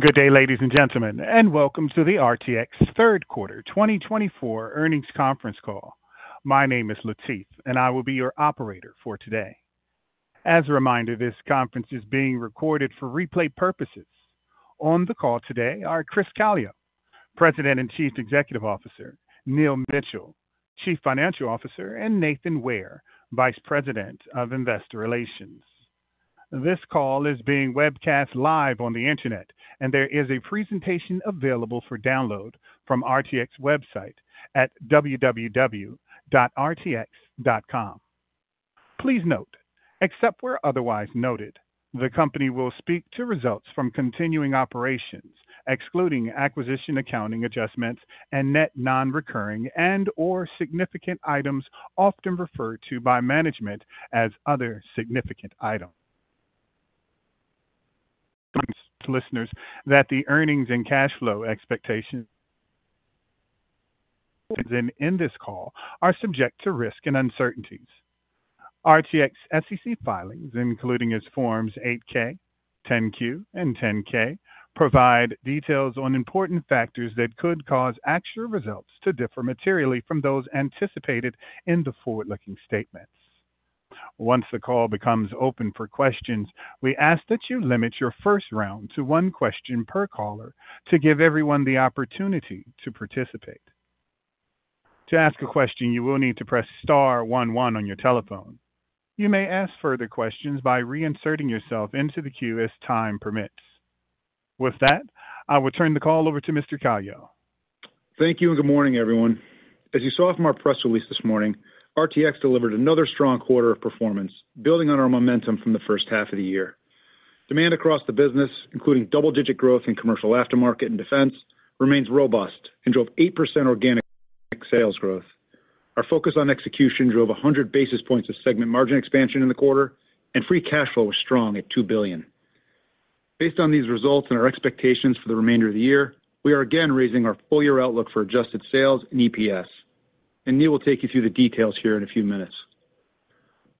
Good day, ladies and gentlemen, and welcome to the RTX Third Quarter 2024 Earnings conference call. My name is Latif, and I will be your operator for today. As a reminder, this conference is being recorded for replay purposes. On the call today are Chris Calio, President and Chief Executive Officer, Neil Mitchill, Chief Financial Officer, and Nathan Ware, Vice President of Investor Relations. This call is being webcast live on the Internet, and there is a presentation available for download from RTX website at www.rtx.com. Please note, except where otherwise noted, the company will speak to results from continuing operations, excluding acquisition, accounting adjustments and net non-recurring and/or significant items, often referred to by management as other significant items. Listeners, note that the earnings and cash flow expectations in this call are subject to risk and uncertainties. RTX SEC filings, including its forms 8-K, 10-Q, and 10-K, provide details on important factors that could cause actual results to differ materially from those anticipated in the forward-looking statements. Once the call becomes open for questions, we ask that you limit your first round to one question per caller to give everyone the opportunity to participate. To ask a question, you will need to press star one one on your telephone. You may ask further questions by reinserting yourself into the queue as time permits. With that, I will turn the call over to Mr. Calio. Thank you and good morning, everyone. As you saw from our press release this morning, RTX delivered another strong quarter of performance, building on our momentum from the first half of the year. Demand across the business, including double-digit growth in commercial aftermarket and defense, remains robust and drove 8% organic sales growth. Our focus on execution drove 100 basis points of segment margin expansion in the quarter, and free cash flow was strong at $2 billion. Based on these results and our expectations for the remainder of the year, we are again raising our full-year outlook for adjusted sales and EPS. And Neil will take you through the details here in a few minutes.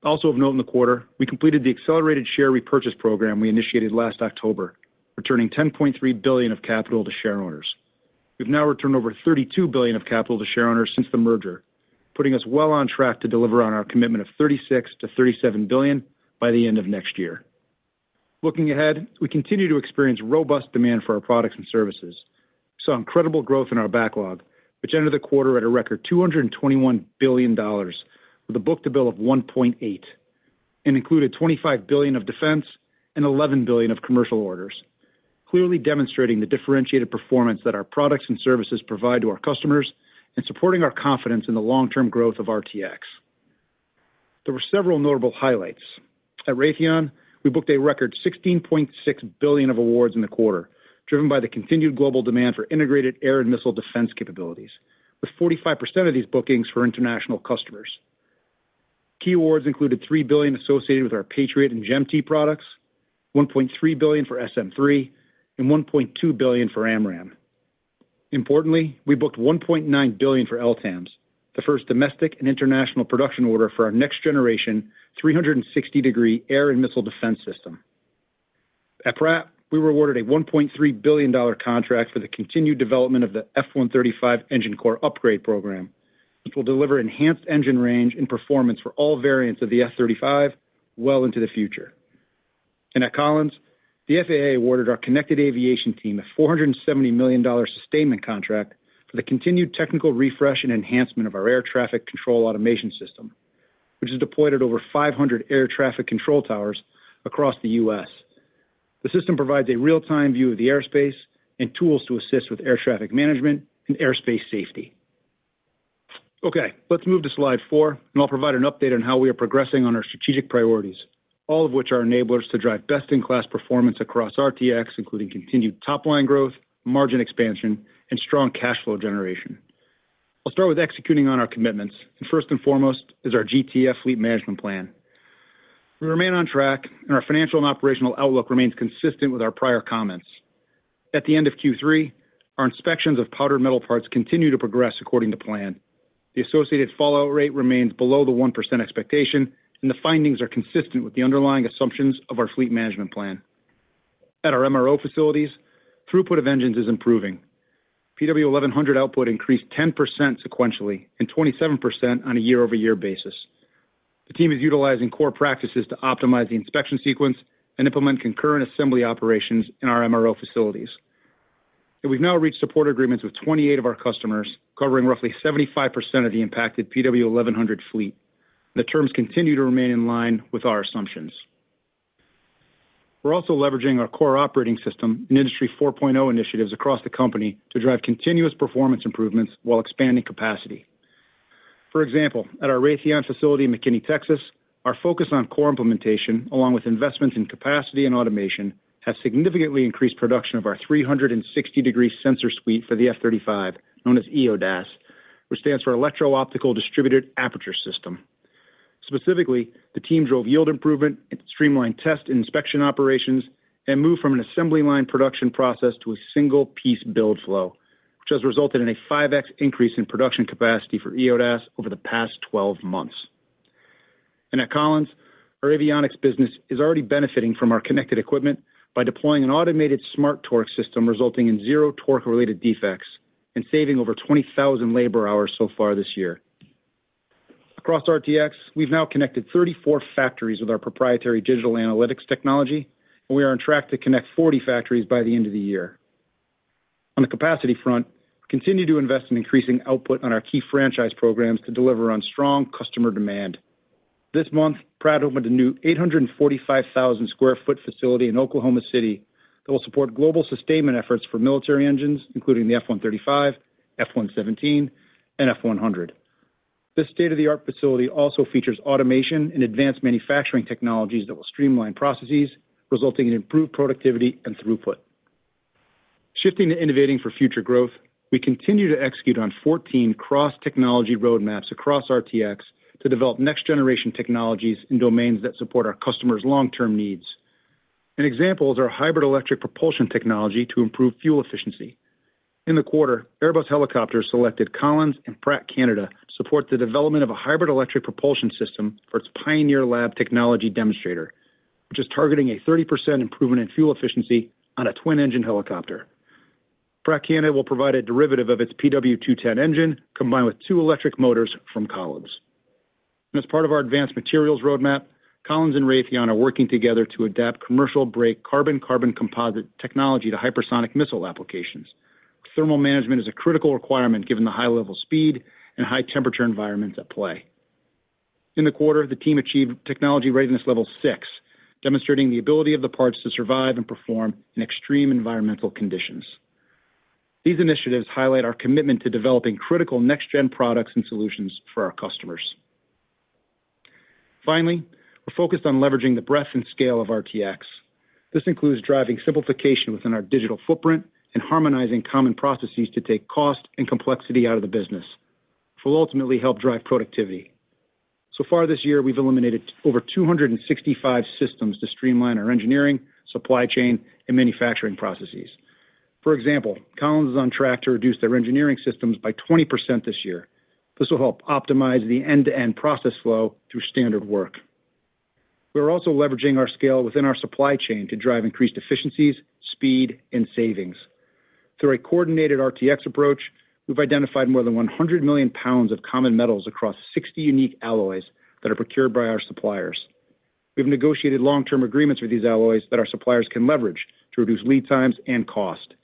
Also of note in the quarter, we completed the accelerated share repurchase program we initiated last October, returning $10.3 billion of capital to shareowners. We've now returned over $32 billion of capital to shareowners since the merger, putting us well on track to deliver on our commitment of $36-$37 billion by the end of next year. Looking ahead, we continue to experience robust demand for our products and services. Some incredible growth in our backlog, which ended the quarter at a record $221 billion, with a book-to-bill of 1.8, and included $25 billion of defense and $11 billion of commercial orders, clearly demonstrating the differentiated performance that our products and services provide to our customers and supporting our confidence in the long-term growth of RTX. There were several notable highlights. At Raytheon, we booked a record $16.6 billion of awards in the quarter, driven by the continued global demand for integrated air and missile defense capabilities, with 45% of these bookings for international customers. Key awards included $3 billion associated with our Patriot and GEM-T products, $1.3 billion for SM-3, and $1.2 billion for AMRAAM. Importantly, we booked $1.9 billion for LTAMDS, the first domestic and international production order for our next-generation 360-degree air and missile defense system. At Pratt, we were awarded a $1.3 billion contract for the continued development of the F135 engine core upgrade program, which will deliver enhanced engine range and performance for all variants of the F-35 well into the future. And at Collins, the FAA awarded our connected aviation team a $470 million sustainment contract for the continued technical refresh and enhancement of our air traffic control automation system, which is deployed at over 500 air traffic control towers across the U.S. The system provides a real-time view of the airspace and tools to assist with air traffic management and airspace safety. Okay, let's move to slide 4, and I'll provide an update on how we are progressing on our strategic priorities, all of which are enablers to drive best-in-class performance across RTX, including continued top-line growth, margin expansion, and strong cash flow generation. I'll start with executing on our commitments, and first and foremost is our GTF fleet management plan. We remain on track, and our financial and operational outlook remains consistent with our prior comments. At the end of Q3, our inspections of powdered metal parts continue to progress according to plan. The associated fallout rate remains below the 1% expectation, and the findings are consistent with the underlying assumptions of our fleet management plan. At our MRO facilities, throughput of engines is improving. PW1100 output increased 10% sequentially and 27% on a year-over-year basis. The team is utilizing core practices to optimize the inspection sequence and implement concurrent assembly operations in our MRO facilities, and we've now reached support agreements with 28 of our customers, covering roughly 75% of the impacted PW1100 fleet. The terms continue to remain in line with our assumptions. We're also leveraging our core operating system and Industry 4.0 initiatives across the company to drive continuous performance improvements while expanding capacity. For example, at our Raytheon facility in McKinney, Texas, our focus on core implementation, along with investments in capacity and automation, has significantly increased production of our 360-degree sensor suite for the F-35, known as EODAS, which stands for Electro-Optical Distributed Aperture System. Specifically, the team drove yield improvement and streamlined test and inspection operations and moved from an assembly line production process to a single-piece build flow, which has resulted in a 5x increase in production capacity for EODAS over the past 12 months... And at Collins, our avionics business is already benefiting from our connected equipment by deploying an automated smart torque system, resulting in zero torque-related defects and saving over 20,000 labor hours so far this year. Across RTX, we've now connected 34 factories with our proprietary digital analytics technology, and we are on track to connect 40 factories by the end of the year. On the capacity front, we continue to invest in increasing output on our key franchise programs to deliver on strong customer demand. This month, Pratt opened a new 845,000 sq ft facility in Oklahoma City that will support global sustainment efforts for military engines, including the F135, F-117, and F-100. This state-of-the-art facility also features automation and advanced manufacturing technologies that will streamline processes, resulting in improved productivity and throughput. Shifting to innovating for future growth, we continue to execute on 14 cross-technology roadmaps across RTX to develop next-generation technologies in domains that support our customers' long-term needs. An example is our hybrid electric propulsion technology to improve fuel efficiency. In the quarter, Airbus Helicopters selected Collins and Pratt Canada to support the development of a hybrid electric propulsion system for its PioneerLab technology demonstrator, which is targeting a 30% improvement in fuel efficiency on a twin-engine helicopter. Pratt Canada will provide a derivative of its PW210 engine, combined with two electric motors from Collins. And as part of our advanced materials roadmap, Collins and Raytheon are working together to adapt commercial brake carbon-carbon composite technology to hypersonic missile applications. Thermal management is a critical requirement, given the high level of speed and high-temperature environments at play. In the quarter, the team achieved technology readiness level six, demonstrating the ability of the parts to survive and perform in extreme environmental conditions. These initiatives highlight our commitment to developing critical next-gen products and solutions for our customers. Finally, we're focused on leveraging the breadth and scale of RTX. This includes driving simplification within our digital footprint and harmonizing common processes to take cost and complexity out of the business, which will ultimately help drive productivity. So far this year, we've eliminated over 265 systems to streamline our engineering, supply chain, and manufacturing processes. For example, Collins is on track to reduce their engineering systems by 20% this year. This will help optimize the end-to-end process flow through standard work. We're also leveraging our scale within our supply chain to drive increased efficiencies, speed, and savings. Through a coordinated RTX approach, we've identified more than 100 million pounds of common metals across 60 unique alloys that are procured by our suppliers. We've negotiated long-term agreements with these alloys that our suppliers can leverage to reduce lead times and cost,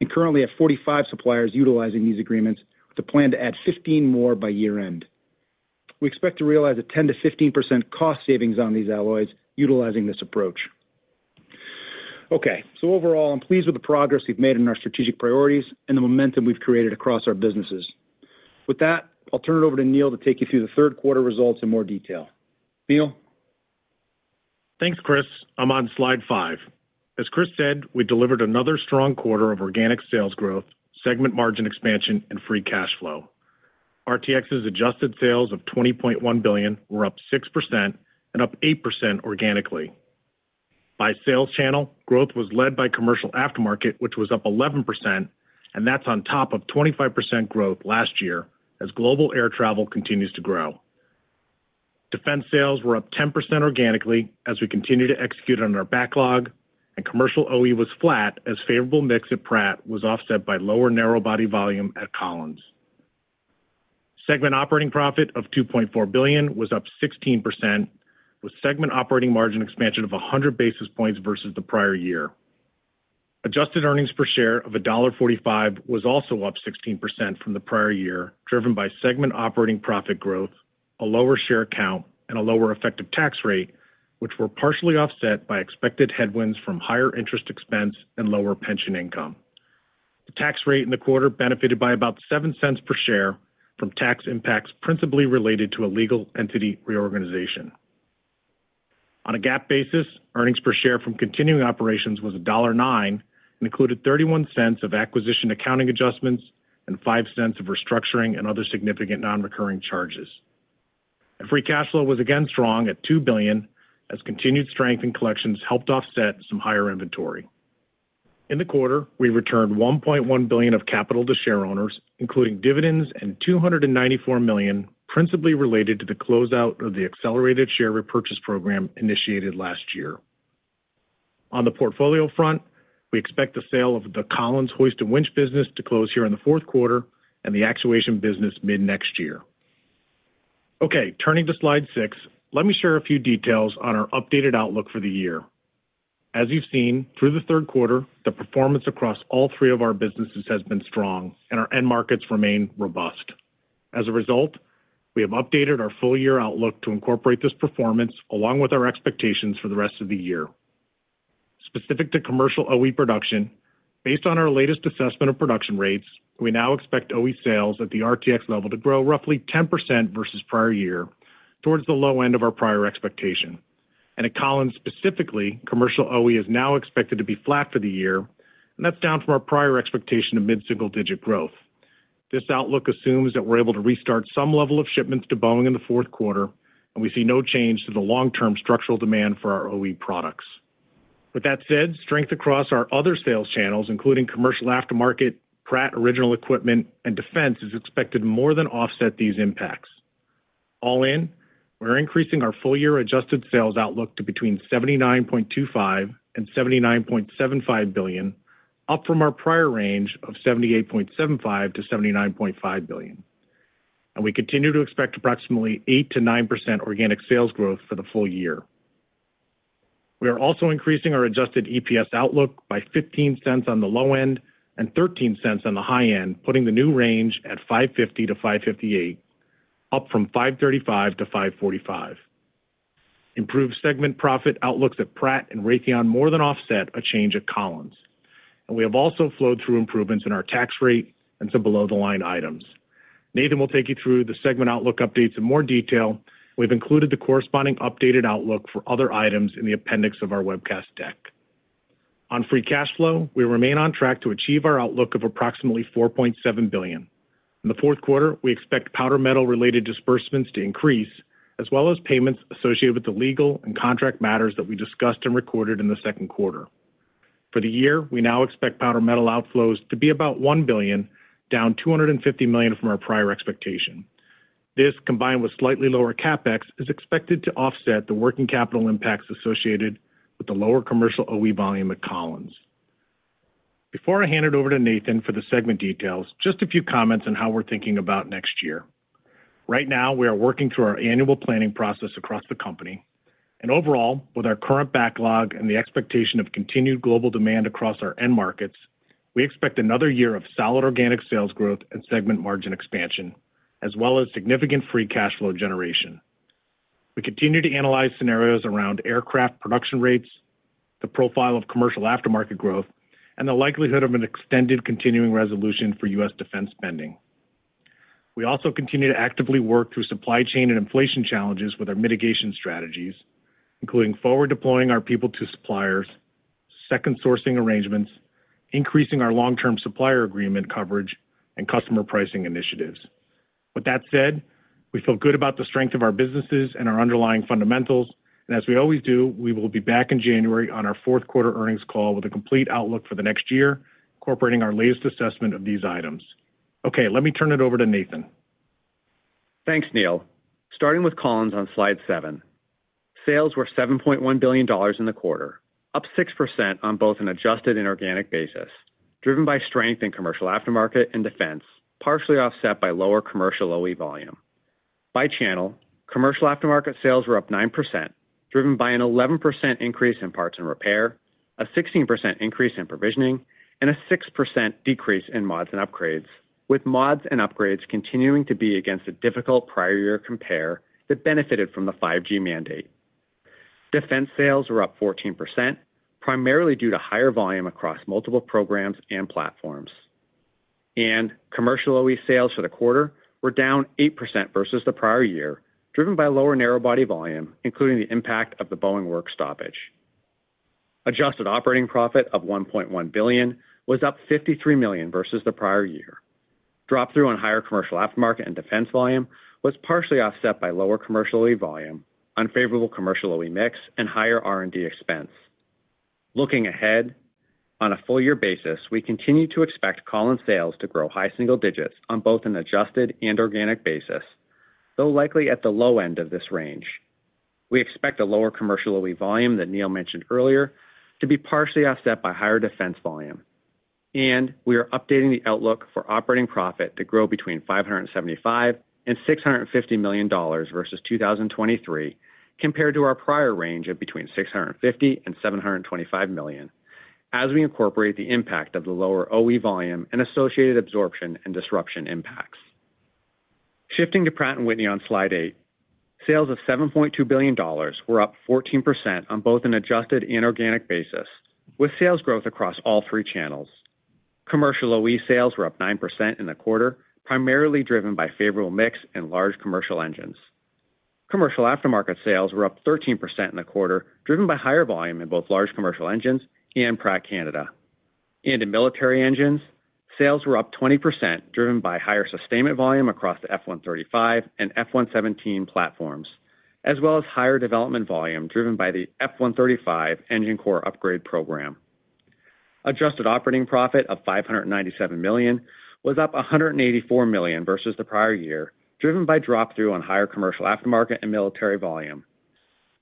and currently have 45 suppliers utilizing these agreements, with a plan to add 15 more by year-end. We expect to realize a 10%-15% cost savings on these alloys utilizing this approach. Okay, so overall, I'm pleased with the progress we've made in our strategic priorities and the momentum we've created across our businesses. With that, I'll turn it over to Neil to take you through the third quarter results in more detail. Neil? Thanks, Chris. I'm on slide five. As Chris said, we delivered another strong quarter of organic sales growth, segment margin expansion, and free cash flow. RTX's adjusted sales of $20.1 billion were up 6% and up 8% organically. By sales channel, growth was led by commercial aftermarket, which was up 11%, and that's on top of 25% growth last year as global air travel continues to grow. Defense sales were up 10% organically, as we continue to execute on our backlog, and commercial OE was flat, as favorable mix at Pratt was offset by lower narrow-body volume at Collins. Segment operating profit of $2.4 billion was up 16%, with segment operating margin expansion of 100 basis points versus the prior year. Adjusted earnings per share of $1.45 was also up 16% from the prior year, driven by segment operating profit growth, a lower share count, and a lower effective tax rate, which were partially offset by expected headwinds from higher interest expense and lower pension income. The tax rate in the quarter benefited by about $0.07 per share from tax impacts principally related to a legal entity reorganization. On a GAAP basis, earnings per share from continuing operations was $1.9 and included $0.31 of acquisition accounting adjustments and $0.05 of restructuring and other significant non-recurring charges. Free cash flow was again strong at $2 billion, as continued strength in collections helped offset some higher inventory. In the quarter, we returned $1.1 billion of capital to shareowners, including dividends and $294 million, principally related to the closeout of the accelerated share repurchase program initiated last year. On the portfolio front, we expect the sale of the Collins Hoist and Winch business to close here in the fourth quarter and the Actuation business mid-next year. Okay, turning to slide 6, let me share a few details on our updated outlook for the year. As you've seen, through the third quarter, the performance across all three of our businesses has been strong, and our end markets remain robust. As a result, we have updated our full-year outlook to incorporate this performance, along with our expectations for the rest of the year. Specific to commercial OE production, based on our latest assessment of production rates, we now expect OE sales at the RTX level to grow roughly 10% versus prior year, towards the low end of our prior expectation. And at Collins, specifically, commercial OE is now expected to be flat for the year, and that's down from our prior expectation of mid-single-digit growth. This outlook assumes that we're able to restart some level of shipments to Boeing in the fourth quarter, and we see no change to the long-term structural demand for our OE products... With that said, strength across our other sales channels, including commercial aftermarket, Pratt, original equipment, and defense, is expected more than offset these impacts. All in, we're increasing our full-year adjusted sales outlook to between $79.25 billion and $79.75 billion, up from our prior range of $78.75-$79.5 billion. And we continue to expect approximately 8%-9% organic sales growth for the full year. We are also increasing our adjusted EPS outlook by $0.15 on the low end and $0.13 on the high end, putting the new range at $5.50-$5.58, up from $5.35-$5.45. Improved segment profit outlooks at Pratt and Raytheon more than offset a change at Collins, and we have also flowed through improvements in our tax rate and some below-the-line items. Nathan will take you through the segment outlook updates in more detail. We've included the corresponding updated outlook for other items in the appendix of our webcast deck. On free cash flow, we remain on track to achieve our outlook of approximately $4.7 billion. In the fourth quarter, we expect powdered metal-related disbursements to increase, as well as payments associated with the legal and contract matters that we discussed and recorded in the second quarter. For the year, we now expect powdered metal outflows to be about $1 billion, down $250 million from our prior expectation. This, combined with slightly lower CapEx, is expected to offset the working capital impacts associated with the lower commercial OE volume at Collins. Before I hand it over to Nathan for the segment details, just a few comments on how we're thinking about next year. Right now, we are working through our annual planning process across the company, and overall, with our current backlog and the expectation of continued global demand across our end markets, we expect another year of solid organic sales growth and segment margin expansion, as well as significant free cash flow generation. We continue to analyze scenarios around aircraft production rates, the profile of commercial aftermarket growth, and the likelihood of an extended continuing resolution for U.S. defense spending. We also continue to actively work through supply chain and inflation challenges with our mitigation strategies, including forward deploying our people to suppliers, second sourcing arrangements, increasing our long-term supplier agreement coverage, and customer pricing initiatives. With that said, we feel good about the strength of our businesses and our underlying fundamentals, and as we always do, we will be back in January on our Fourth Quarter Earnings call with a complete outlook for the next year, incorporating our latest assessment of these items. Okay, let me turn it over to Nathan. Thanks, Neil. Starting with Collins on slide seven. Sales were $7.1 billion in the quarter, up 6% on both an adjusted and organic basis, driven by strength in commercial aftermarket and defense, partially offset by lower commercial OE volume. By channel, commercial aftermarket sales were up 9%, driven by an 11% increase in parts and repair, a 16% increase in provisioning, and a 6% decrease in mods and upgrades, with mods and upgrades continuing to be against a difficult prior year compare that benefited from the 5G mandate. Defense sales were up 14%, primarily due to higher volume across multiple programs and platforms. And commercial OE sales for the quarter were down 8% versus the prior year, driven by lower narrow body volume, including the impact of the Boeing work stoppage. Adjusted operating profit of $1.1 billion was up $53 million versus the prior year. Drop-through on higher commercial aftermarket and defense volume was partially offset by lower commercial OE volume, unfavorable commercial OE mix, and higher R&D expense. Looking ahead, on a full-year basis, we continue to expect Collins sales to grow high single digits on both an adjusted and organic basis, though likely at the low end of this range. We expect a lower commercial OE volume that Neil mentioned earlier to be partially offset by higher defense volume, and we are updating the outlook for operating profit to grow between $575 million and $650 million versus 2023, compared to our prior range of between $650 million and $725 million, as we incorporate the impact of the lower OE volume and associated absorption and disruption impacts. Shifting to Pratt & Whitney on slide 8, sales of $7.2 billion were up 14% on both an adjusted and organic basis, with sales growth across all three channels. Commercial OE sales were up 9% in the quarter, primarily driven by favorable mix and large commercial engines. Commercial aftermarket sales were up 13% in the quarter, driven by higher volume in both large commercial engines and Pratt Canada. And in military engines, sales were up 20%, driven by higher sustainment volume across the F35 and F-117 platforms, as well as higher development volume driven by the F135 engine core upgrade program. Adjusted operating profit of $597 million was up $184 million versus the prior year, driven by drop-through on higher commercial aftermarket and military volume.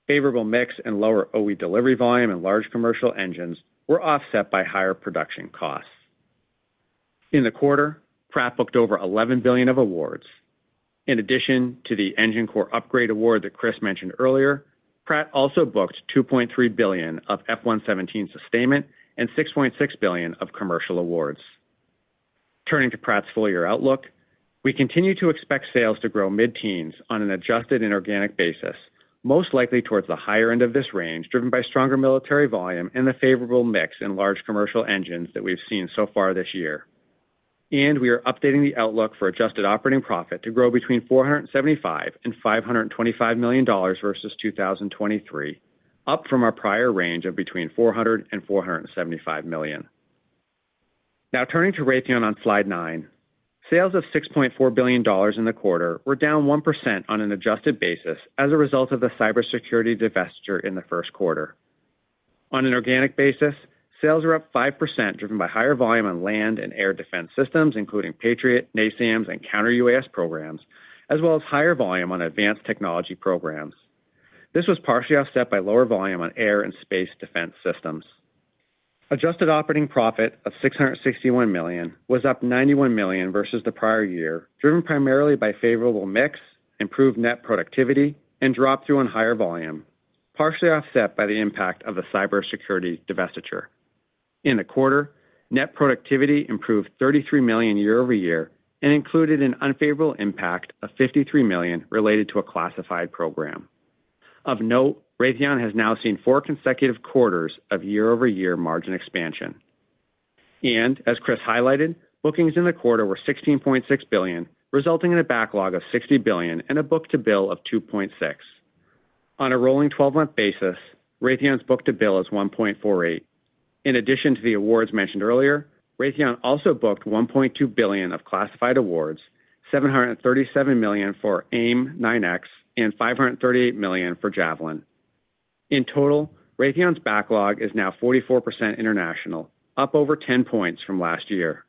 Favorable mix and lower OE delivery volume and large commercial engines were offset by higher production costs. In the quarter, Pratt booked over $11 billion of awards. In addition to the Engine Core upgrade award that Chris mentioned earlier, Pratt also booked $2.3 billion of F-117 sustainment and $6.6 billion of commercial awards. Turning to Pratt's full-year outlook, we continue to expect sales to grow mid-teens% on an adjusted and organic basis, most likely towards the higher end of this range, driven by stronger military volume and the favorable mix in large commercial engines that we've seen so far this year, and we are updating the outlook for adjusted operating profit to grow between $475 million and $525 million versus 2023, up from our prior range of between $400 million and $475 million. Now turning to Raytheon on Slide 9. Sales of $6.4 billion in the quarter were down 1% on an adjusted basis as a result of the cybersecurity divestiture in the first quarter. On an organic basis, sales were up 5%, driven by higher volume on land and air defense systems, including Patriot, NASAMS, and Counter-UAS programs, as well as higher volume on advanced technology programs. This was partially offset by lower volume on air and space defense systems. Adjusted operating profit of $661 million was up $91 million versus the prior year, driven primarily by favorable mix, improved net productivity, and drop-through on higher volume, partially offset by the impact of the cybersecurity divestiture. In the quarter, net productivity improved $33 million year over year and included an unfavorable impact of $53 million related to a classified program. Of note, Raytheon has now seen four consecutive quarters of year-over-year margin expansion. As Chris highlighted, bookings in the quarter were $16.6 billion, resulting in a backlog of $60 billion and a book-to-bill of 2.6. On a rolling 12 month basis, Raytheon's book-to-bill is 1.48. In addition to the awards mentioned earlier, Raytheon also booked $1.2 billion of classified awards, $737 million for AIM-9X, and $538 million for Javelin. In total, Raytheon's backlog is now 44% international, up over 10 points from last year.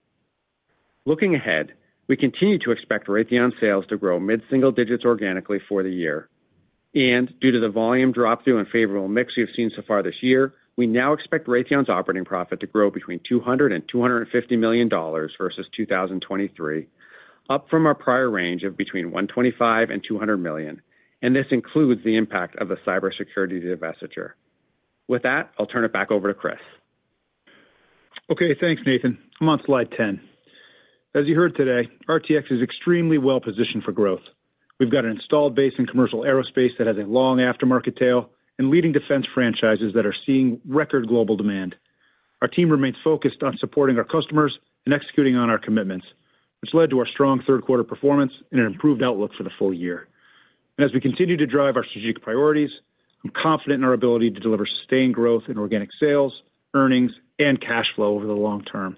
Looking ahead, we continue to expect Raytheon sales to grow mid-single digits organically for the year. Due to the volume drop through and favorable mix we have seen so far this year, we now expect Raytheon's operating profit to grow between $200 million and $250 million versus 2023, up from our prior range of between $125 million and $200 million, and this includes the impact of the cybersecurity divestiture. With that, I'll turn it back over to Chris. Okay, thanks, Nathan. I'm on slide ten. As you heard today, RTX is extremely well positioned for growth. We've got an installed base in commercial aerospace that has a long aftermarket tail and leading defense franchises that are seeing record global demand. Our team remains focused on supporting our customers and executing on our commitments, which led to our strong third quarter performance and an improved outlook for the full year, and as we continue to drive our strategic priorities, I'm confident in our ability to deliver sustained growth in organic sales, earnings, and cash flow over the long term.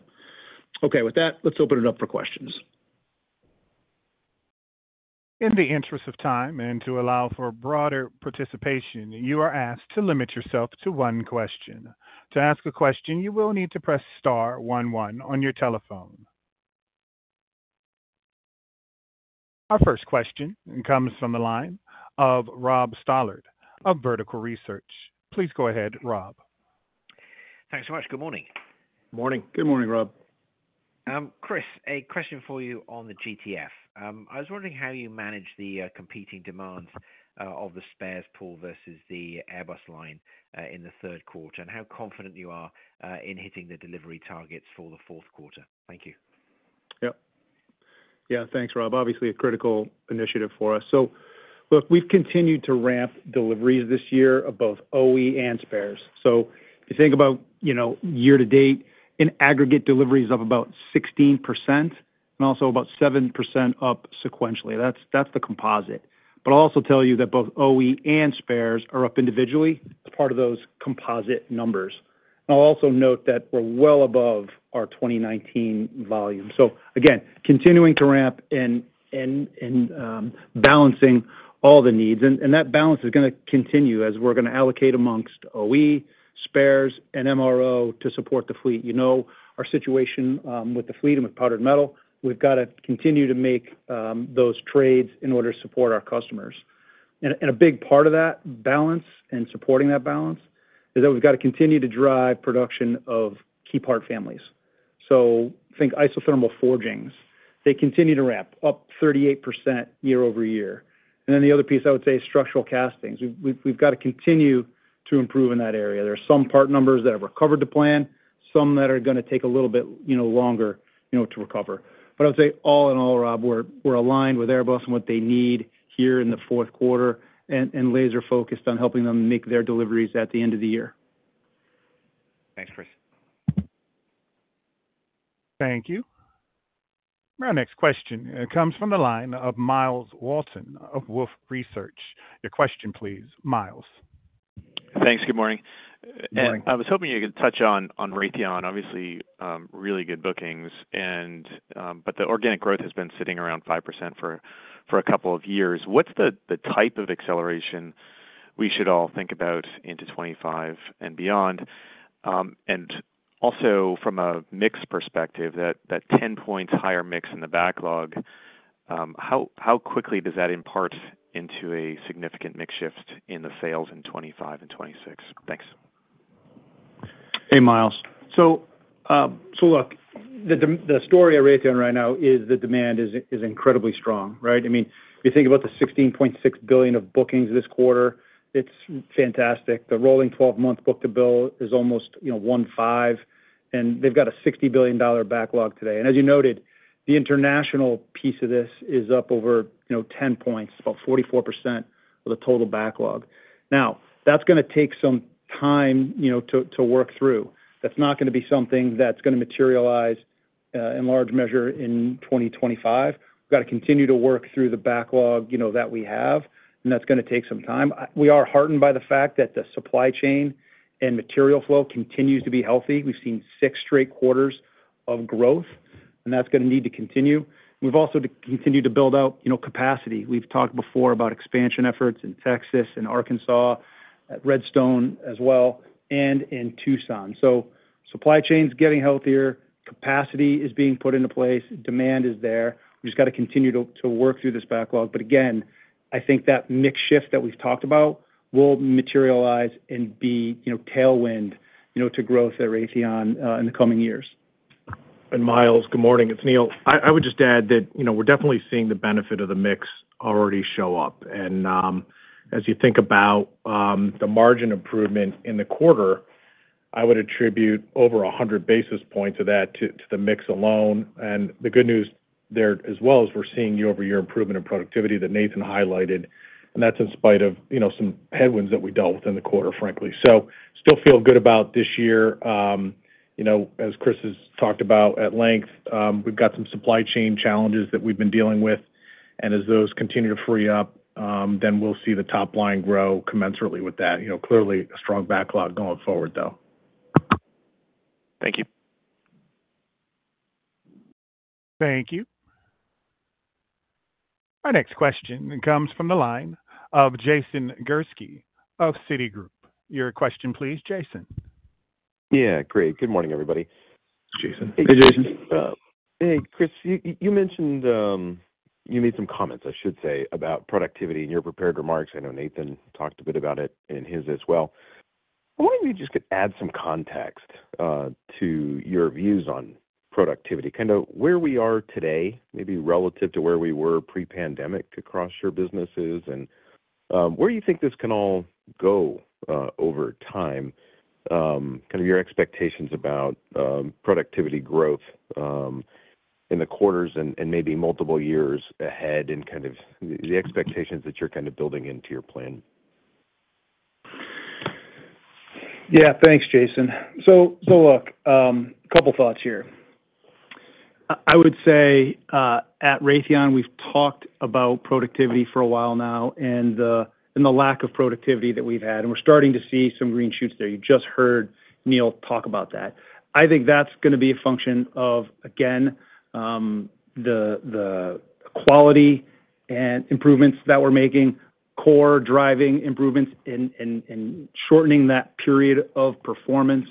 Okay, with that, let's open it up for questions. In the interest of time and to allow for broader participation, you are asked to limit yourself to one question. To ask a question, you will need to press star one, one on your telephone. Our first question comes from the line of Rob Stallard of Vertical Research Partners. Please go ahead, Rob. Thanks so much. Good morning. Morning. Good morning, Rob. Chris, a question for you on the GTF. I was wondering how you managed the competing demands of the spares pool versus the Airbus line in the third quarter, and how confident you are in hitting the delivery targets for the fourth quarter. Thank you. Yep. Yeah, thanks, Rob. Obviously, a critical initiative for us. So look, we've continued to ramp deliveries this year of both OE and spares. So if you think about, you know, year to date, in aggregate, deliveries up about 16% and also about 7% up sequentially. That's the composite. But I'll also tell you that both OE and spares are up individually as part of those composite numbers. I'll also note that we're well above our 2019 volume. So again, continuing to ramp and balancing all the needs. And that balance is gonna continue as we're gonna allocate amongst OE, spares, and MRO to support the fleet. You know, our situation with the fleet and with powdered metal, we've got to continue to make those trades in order to support our customers. A big part of that balance and supporting that balance is that we've got to continue to drive production of key part families. So think isothermal forgings, they continue to ramp up 38% year over year. And then the other piece, I would say, structural castings. We've got to continue to improve in that area. There are some part numbers that have recovered to plan, some that are gonna take a little bit, you know, longer, you know, to recover. But I would say all in all, Rob, we're aligned with Airbus and what they need here in the fourth quarter and laser-focused on helping them make their deliveries at the end of the year. Thanks, Chris. Thank you. Our next question comes from the line of Myles Walton of Wolfe Research. Your question, please, Miles. Thanks. Good morning. Good morning. I was hoping you could touch on Raytheon, obviously, really good bookings and. But the organic growth has been sitting around 5% for a couple of years. What is the type of acceleration we should all think about into 2025 and beyond? Also from a mix perspective, that 10 points higher mix in the backlog, how quickly does that impart into a significant mix shift in the sales in 2025 and 2026? Thanks. Hey, Myles. So, look, the story at Raytheon right now is the demand is incredibly strong, right? I mean, you think about the $16.6 billion of bookings this quarter, it's fantastic. The rolling twelve-month book-to-bill is almost, you know, 1.5, and they've got a $60 billion backlog today. And as you noted, the international piece of this is up over, you know, 10 points, about 44% of the total backlog. Now, that's gonna take some time, you know, to work through. That's not gonna be something that's gonna materialize in large measure in 2025. We've got to continue to work through the backlog, you know, that we have, and that's gonna take some time. We are heartened by the fact that the supply chain and material flow continues to be healthy. We've seen six straight quarters of growth, and that's gonna need to continue. We've also to continue to build out, you know, capacity. We've talked before about expansion efforts in Texas and Arkansas, at Redstone as well, and in Tucson, so supply chain's getting healthier, capacity is being put into place, demand is there. We've just got to continue to work through this backlog, but again, I think that mix shift that we've talked about will materialize and be, you know, tailwind, you know, to growth at Raytheon in the coming years. And Myles, good morning, it's Neil. I would just add that, you know, we're definitely seeing the benefit of the mix already show up. And, as you think about, the margin improvement in the quarter, I would attribute over 100 basis points of that to the mix alone. And the good news there as well, is we're seeing year-over-year improvement in productivity that Nathan highlighted, and that's in spite of, you know, some headwinds that we dealt with in the quarter, frankly. So still feel good about this year. You know, as Chris has talked about at length, we've got some supply chain challenges that we've been dealing with, and as those continue to free up, then we'll see the top line grow commensurately with that. You know, clearly, a strong backlog going forward, though. Thank you. Thank you. Our next question comes from the line of Jason Gursky of Citigroup. Your question, please, Jason? Yeah, great. Good morning, everybody. Jason. Hey, Jason. Hey, Chris, you mentioned... You made some comments, I should say, about productivity in your prepared remarks. I know Nathan talked a bit about it in his as well. I wonder if you just could add some context to your views on productivity, kind of where we are today, maybe relative to where we were pre-pandemic across your businesses, and where you think this can all go over time. Kind of your expectations about productivity growth in the quarters and maybe multiple years ahead, and kind of the expectations that you're kind of building into your plan. Yeah. Thanks, Jason. So, look, a couple thoughts here. I would say, at Raytheon, we've talked about productivity for a while now, and the lack of productivity that we've had, and we're starting to see some green shoots there. You just heard Neil talk about that. I think that's gonna be a function of, again, the quality and improvements that we're making, core driving improvements in shortening that period of performance.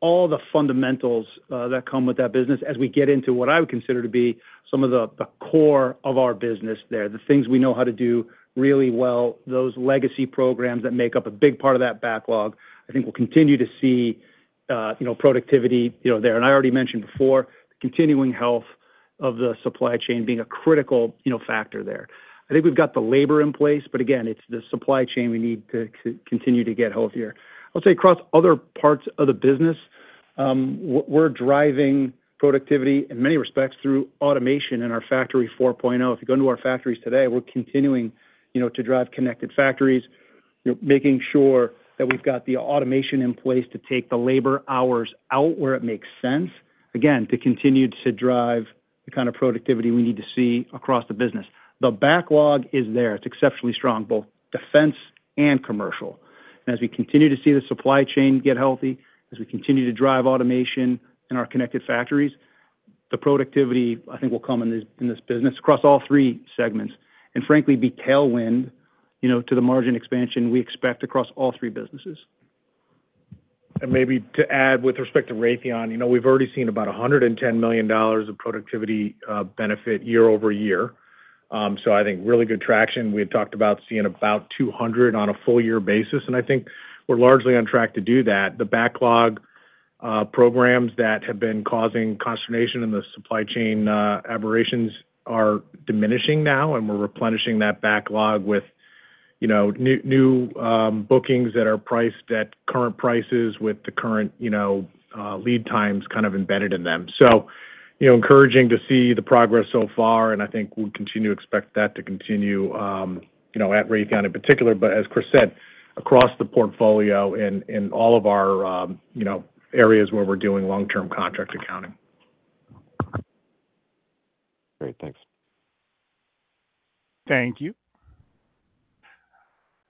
All the fundamentals that come with that business as we get into what I would consider to be some of the core of our business there, the things we know how to do really well, those legacy programs that make up a big part of that backlog, I think we'll continue to see, you know, productivity, you know, there. I already mentioned before, continuing health of the supply chain being a critical, you know, factor there. I think we've got the labor in place, but again, it's the supply chain we need to continue to get healthier. I'll say across other parts of the business, we're driving productivity in many respects through automation in our Factory 4.0. If you go into our factories today, we're continuing, you know, to drive connected factories. We're making sure that we've got the automation in place to take the labor hours out where it makes sense, again, to continue to drive the kind of productivity we need to see across the business. The backlog is there. It's exceptionally strong, both defense and commercial. As we continue to see the supply chain get healthy, as we continue to drive automation in our connected factories, the productivity, I think, will come in this, in this business across all three segments, and frankly, be tailwind, you know, to the margin expansion we expect across all three businesses. Maybe to add, with respect to Raytheon, you know, we've already seen about $110 million of productivity benefit year over year. So I think really good traction. We had talked about seeing about $200 million on a full year basis, and I think we're largely on track to do that. The backlog programs that have been causing consternation in the supply chain aberrations are diminishing now, and we're replenishing that backlog with, you know, new bookings that are priced at current prices with the current, you know, lead times kind of embedded in them. So, you know, encouraging to see the progress so far, and I think we continue to expect that to continue, you know, at Raytheon in particular, but as Chris said, across the portfolio in all of our, you know, areas where we're doing long-term contract accounting. Great. Thanks. Thank you.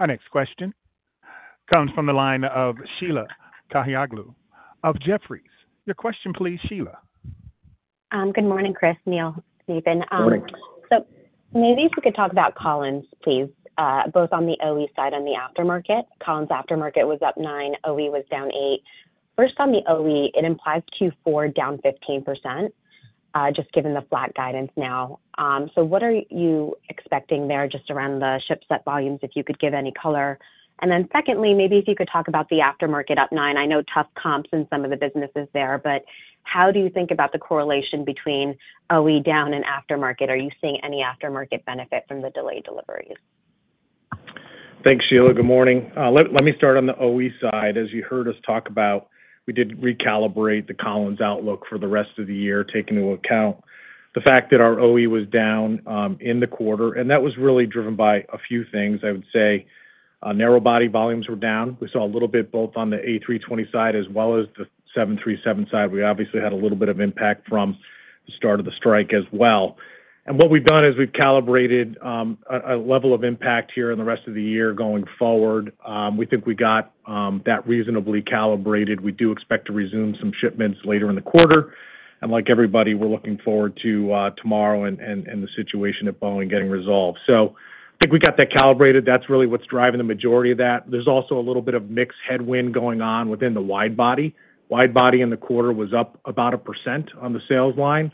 Our next question comes from the line of Sheila Kahyaoglu of Jefferies. Your question, please, Sheila. Good morning, Chris, Neil, Nathan. Morning. So maybe if you could talk about Collins, please, both on the OE side and the aftermarket. Collins aftermarket was up 9%, OE was down 8%. First on the OE, it implies Q4 down 15%, just given the flat guidance now. So what are you expecting there, just around the ship set volumes, if you could give any color? And then secondly, maybe if you could talk about the aftermarket up 9%. I know, tough comps in some of the businesses there, but how do you think about the correlation between OE down and aftermarket? Are you seeing any aftermarket benefit from the delayed deliveries? Thanks, Sheila. Good morning. Let me start on the OE side. As you heard us talk about, we did recalibrate the Collins outlook for the rest of the year, taking into account the fact that our OE was down in the quarter, and that was really driven by a few things, I would say. Narrow body volumes were down. We saw a little bit both on the A320 side as well as the 737 side. We obviously had a little bit of impact from the start of the strike as well. And what we've done is we've calibrated a level of impact here in the rest of the year going forward. We think we got that reasonably calibrated. We do expect to resume some shipments later in the quarter, and like everybody, we're looking forward to tomorrow and the situation at Boeing getting resolved. So I think we got that calibrated. That's really what's driving the majority of that. There's also a little bit of mixed headwind going on within the wide body. Wide body in the quarter was up about 1% on the sales line,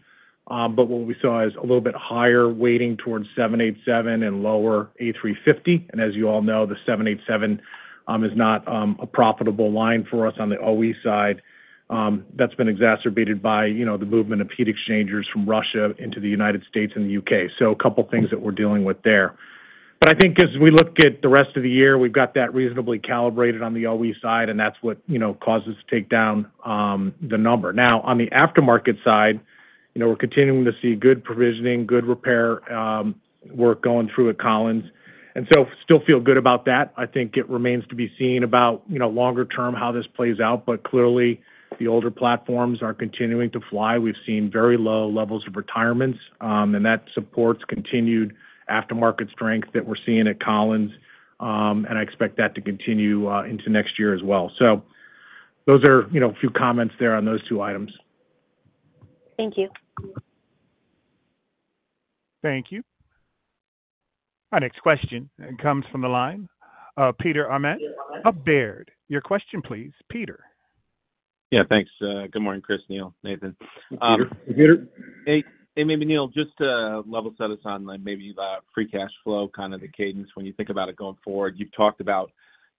but what we saw is a little bit higher weighting towards 787 and lower A350. And as you all know, the 787 is not a profitable line for us on the OE side. That's been exacerbated by, you know, the movement of heat exchangers from Russia into the United States and the U.K. So a couple of things that we're dealing with there. But I think as we look at the rest of the year, we've got that reasonably calibrated on the OE side, and that's what, you know, causes to take down the number. Now, on the aftermarket side, you know, we're continuing to see good provisioning, good repair work going through at Collins, and so still feel good about that. I think it remains to be seen about, you know, longer term, how this plays out, but clearly, the older platforms are continuing to fly. We've seen very low levels of retirements, and that supports continued aftermarket strength that we're seeing at Collins. And I expect that to continue into next year as well. So those are, you know, a few comments there on those two items. Thank you. Thank you. Our next question comes from the line of Peter Arment of Baird. Your question, please, Peter. Yeah, thanks. Good morning, Chris, Neil, Nathan. Peter. Peter? Hey, hey, maybe, Neil, just to level set us on, like, maybe, free cash flow, kind of the cadence when you think about it going forward. You've talked about,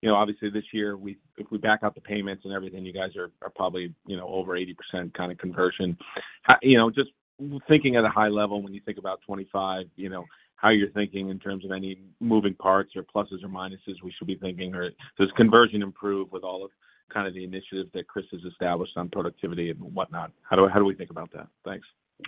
you know, obviously this year, we-- if we back out the payments and everything, you guys are probably, you know, over 80% kind of conversion. How... You know, just thinking at a high level, when you think about 25, you know, how you're thinking in terms of any moving parts or pluses or minuses we should be thinking, or does conversion improve with all of kind of the initiatives that Chris has established on productivity and whatnot? How do we think about that? Thanks. Yeah,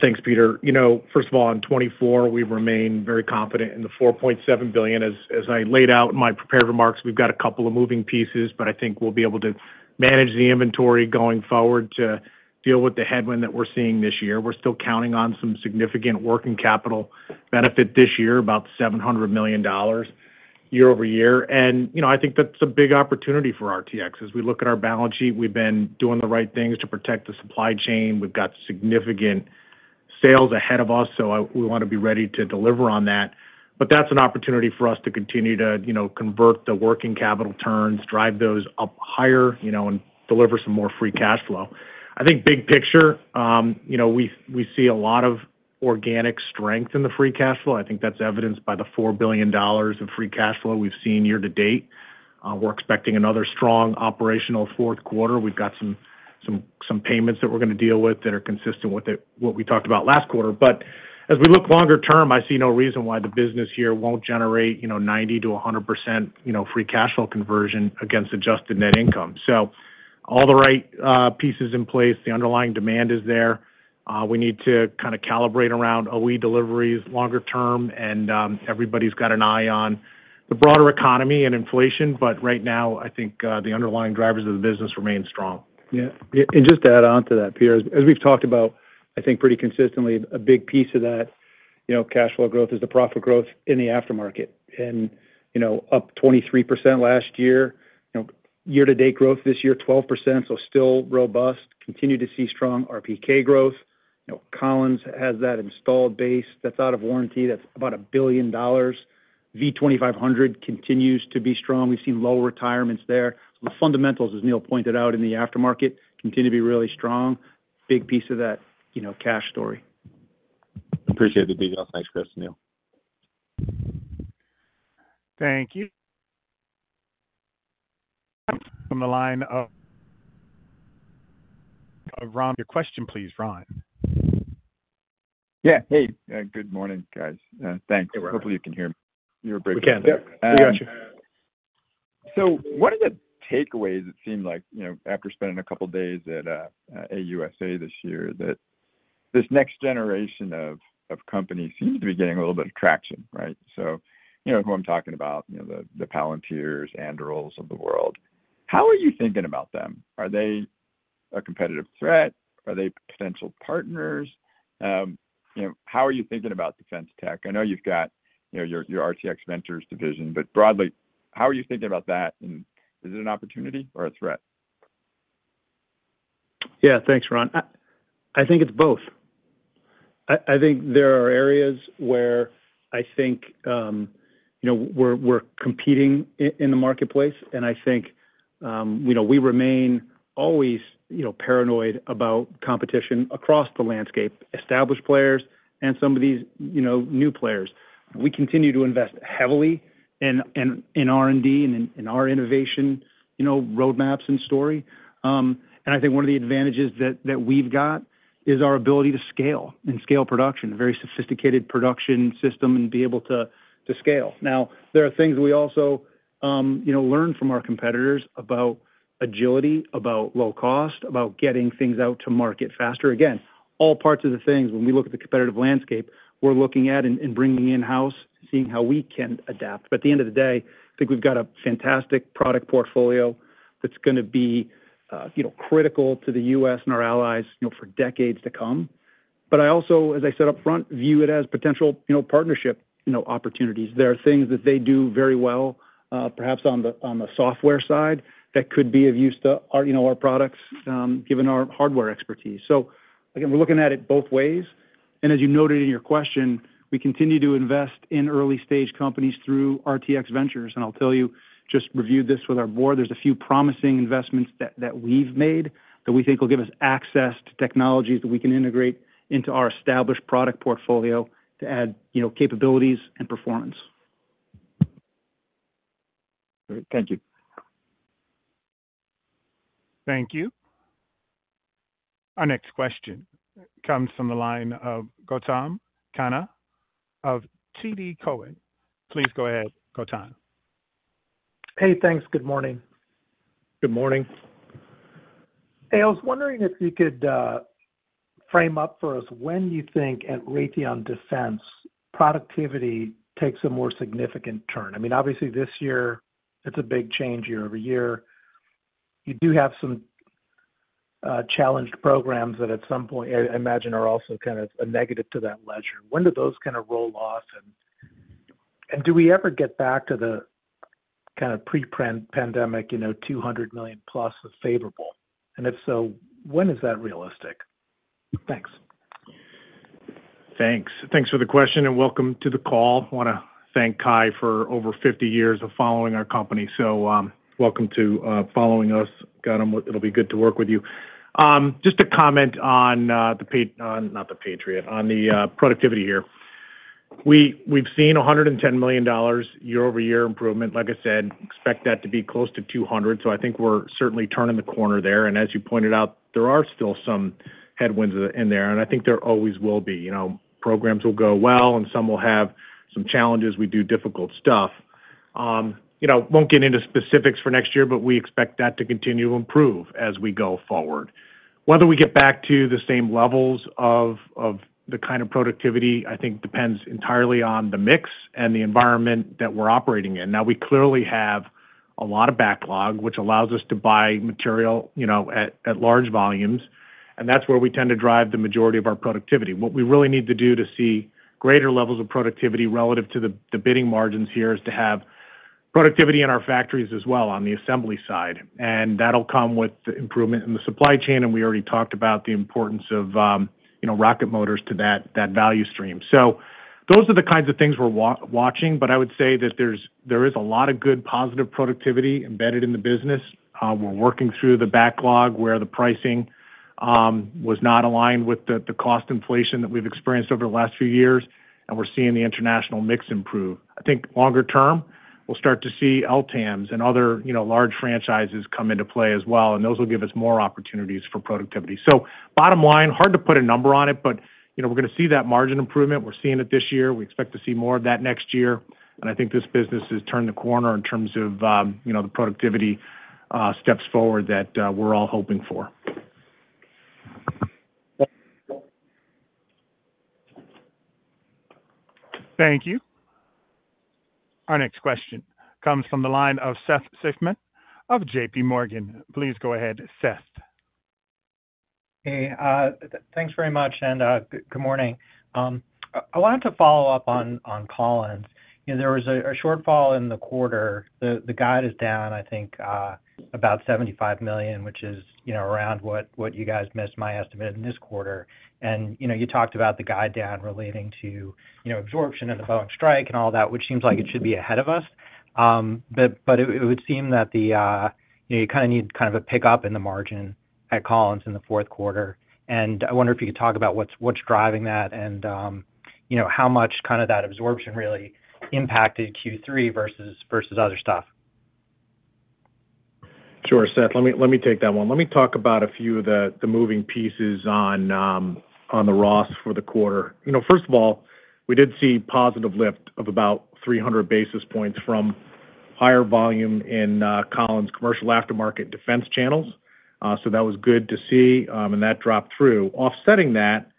thanks, Peter. You know, first of all, on 2024, we remain very confident in the $4.7 billion. As I laid out in my prepared remarks, we've got a couple of moving pieces, but I think we'll be able to manage the inventory going forward to deal with the headwind that we're seeing this year. We're still counting on some significant working capital benefit this year, about $700 million year over year. And, you know, I think that's a big opportunity for RTX. As we look at our balance sheet, we've been doing the right things to protect the supply chain. We've got significant sales ahead of us, so we wanna be ready to deliver on that. But that's an opportunity for us to continue to, you know, convert the working capital turns, drive those up higher, you know, and deliver some more free cash flow. I think big picture, you know, we see a lot of organic strength in the free cash flow. I think that's evidenced by the $4 billion of free cash flow we've seen year to date. We're expecting another strong operational fourth quarter. We've got some payments that we're gonna deal with that are consistent with the what we talked about last quarter. But as we look longer term, I see no reason why the business here won't generate, you know, 90%-100%, you know, free cash flow conversion against adjusted net income. So all the right pieces in place, the underlying demand is there. We need to kind of calibrate around OE deliveries longer term, and everybody's got an eye on the broader economy and inflation, but right now, I think the underlying drivers of the business remain strong. Yeah. And just to add on to that, Peter, as we've talked about, I think pretty consistently, a big piece of that, you know, cash flow growth is the profit growth in the aftermarket. And, you know, up 23% last year, you know, year to date growth this year, 12%, so still robust. Continue to see strong RPK growth. You know, Collins has that installed base. That's out of warranty, that's about $1 billion. V2500 continues to be strong. We've seen low retirements there. The fundamentals, as Neil pointed out in the aftermarket, continue to be really strong. Big piece of that, you know, cash story. Appreciate the detail. Thanks, Chris, Neil. Thank you. From the line of Ron. Your question, please, Ron. Yeah. Hey, good morning, guys. Thanks. Hey, Ron. Hopefully you can hear me. You were breaking- We can. Yep, we got you. So one of the takeaways it seemed like, you know, after spending a couple of days at AUSA this year, that this next generation of companies seems to be getting a little bit of traction, right? So you know who I'm talking about, you know, the Palantirs, Andurils of the world. How are you thinking about them? Are they a competitive threat? Are they potential partners? You know, how are you thinking about defense tech? I know you've got, you know, your RTX Ventures division, but broadly, how are you thinking about that, and is it an opportunity or a threat? Yeah, thanks, Ron. I think it's both. I think there are areas where I think you know, we're competing in the marketplace, and I think you know, we remain always you know, paranoid about competition across the landscape, established players and some of these you know, new players. We continue to invest heavily in R&D and in our innovation you know, roadmaps and story. And I think one of the advantages that we've got is our ability to scale and scale production, a very sophisticated production system, and be able to scale. Now, there are things we know, learn from our competitors about agility, about low cost, about getting things out to market faster. Again, all parts of the things, when we look at the competitive landscape, we're looking at and bringing in-house, seeing how we can adapt. But at the end of the day, I think we've got a fantastic product portfolio that's gonna be, you know, critical to the U.S. and our allies, you know, for decades to come. But I also, as I said up front, view it as potential, you know, partnership, you know, opportunities. There are things that they do very well, perhaps on the software side, that could be of use to our, you know, our products, given our hardware expertise. So again, we're looking at it both ways. And as you noted in your question, we continue to invest in early-stage companies through RTX Ventures. And I'll tell you, just reviewed this with our board. There's a few promising investments that we've made that we think will give us access to technologies that we can integrate into our established product portfolio to add, you know, capabilities and performance. Great. Thank you. Thank you. Our next question comes from the line of Gautam Khanna of TD Cowen. Please go ahead, Gautam. Hey, thanks. Good morning. Good morning. Hey, I was wondering if you could frame up for us when you think at Raytheon Defense productivity takes a more significant turn. I mean, obviously this year, it's a big change year over year. You do have some challenged programs that at some point I imagine are also kind of a negative to that ledger. When do those kind of roll off? And do we ever get back to the kind of pre-pandemic, you know, two hundred million plus of favorable? And if so, when is that realistic? Thanks. Thanks. Thanks for the question, and welcome to the call. I want to thank Cai for over 50 years of following our company. So, welcome to following us, Gautam, it'll be good to work with you. Just to comment on the pat-- not the Patriot, on the productivity here. We, we've seen $110 million year-over-year improvement. Like I said, expect that to be close to $200 million. So I think we're certainly turning the corner there. And as you pointed out, there are still some headwinds in there, and I think there always will be. You know, programs will go well, and some will have some challenges. We do difficult stuff. You know, won't get into specifics for next year, but we expect that to continue to improve as we go forward. Whether we get back to the same levels of the kind of productivity, I think depends entirely on the mix and the environment that we're operating in. Now, we clearly have a lot of backlog, which allows us to buy material, you know, at large volumes, and that's where we tend to drive the majority of our productivity. What we really need to do to see greater levels of productivity relative to the bidding margins here, is to have productivity in our factories as well on the assembly side, and that'll come with improvement in the supply chain, and we already talked about the importance of, you know, rocket motors to that value stream. So those are the kinds of things we're watching, but I would say that there is a lot of good, positive productivity embedded in the business. We're working through the backlog where the pricing was not aligned with the cost inflation that we've experienced over the last few years, and we're seeing the international mix improve. I think longer term, we'll start to see LTAMDS and other, you know, large franchises come into play as well, and those will give us more opportunities for productivity. So bottom line, hard to put a number on it, but, you know, we're going to see that margin improvement. We're seeing it this year. We expect to see more of that next year, and I think this business has turned the corner in terms of, you know, the productivity steps forward that we're all hoping for. Thank you. Our next question comes from the line of Seth Seifman of J.P. Morgan. Please go ahead, Seth. Hey, thanks very much, and good morning. I wanted to follow up on Collins. You know, there was a shortfall in the quarter. The guide is down, I think, about $75 million, which is, you know, around what you guys missed my estimate in this quarter. And, you know, you talked about the guide down relating to, you know, absorption and the Boeing strike and all that, which seems like it should be ahead of us. But it would seem that you kind of need a pickup in the margin at Collins in the fourth quarter, and I wonder if you could talk about what's driving that and, you know, how much that absorption really impacted Q3 versus other stuff. Sure, Seth. Let me take that one. Let me talk about a few of the moving pieces on the ROS for the quarter. You know, first of all, we did see positive lift of about three hundred basis points from higher volume in Collins commercial aftermarket defense channels. So that was good to see, and that dropped through. Offsetting that,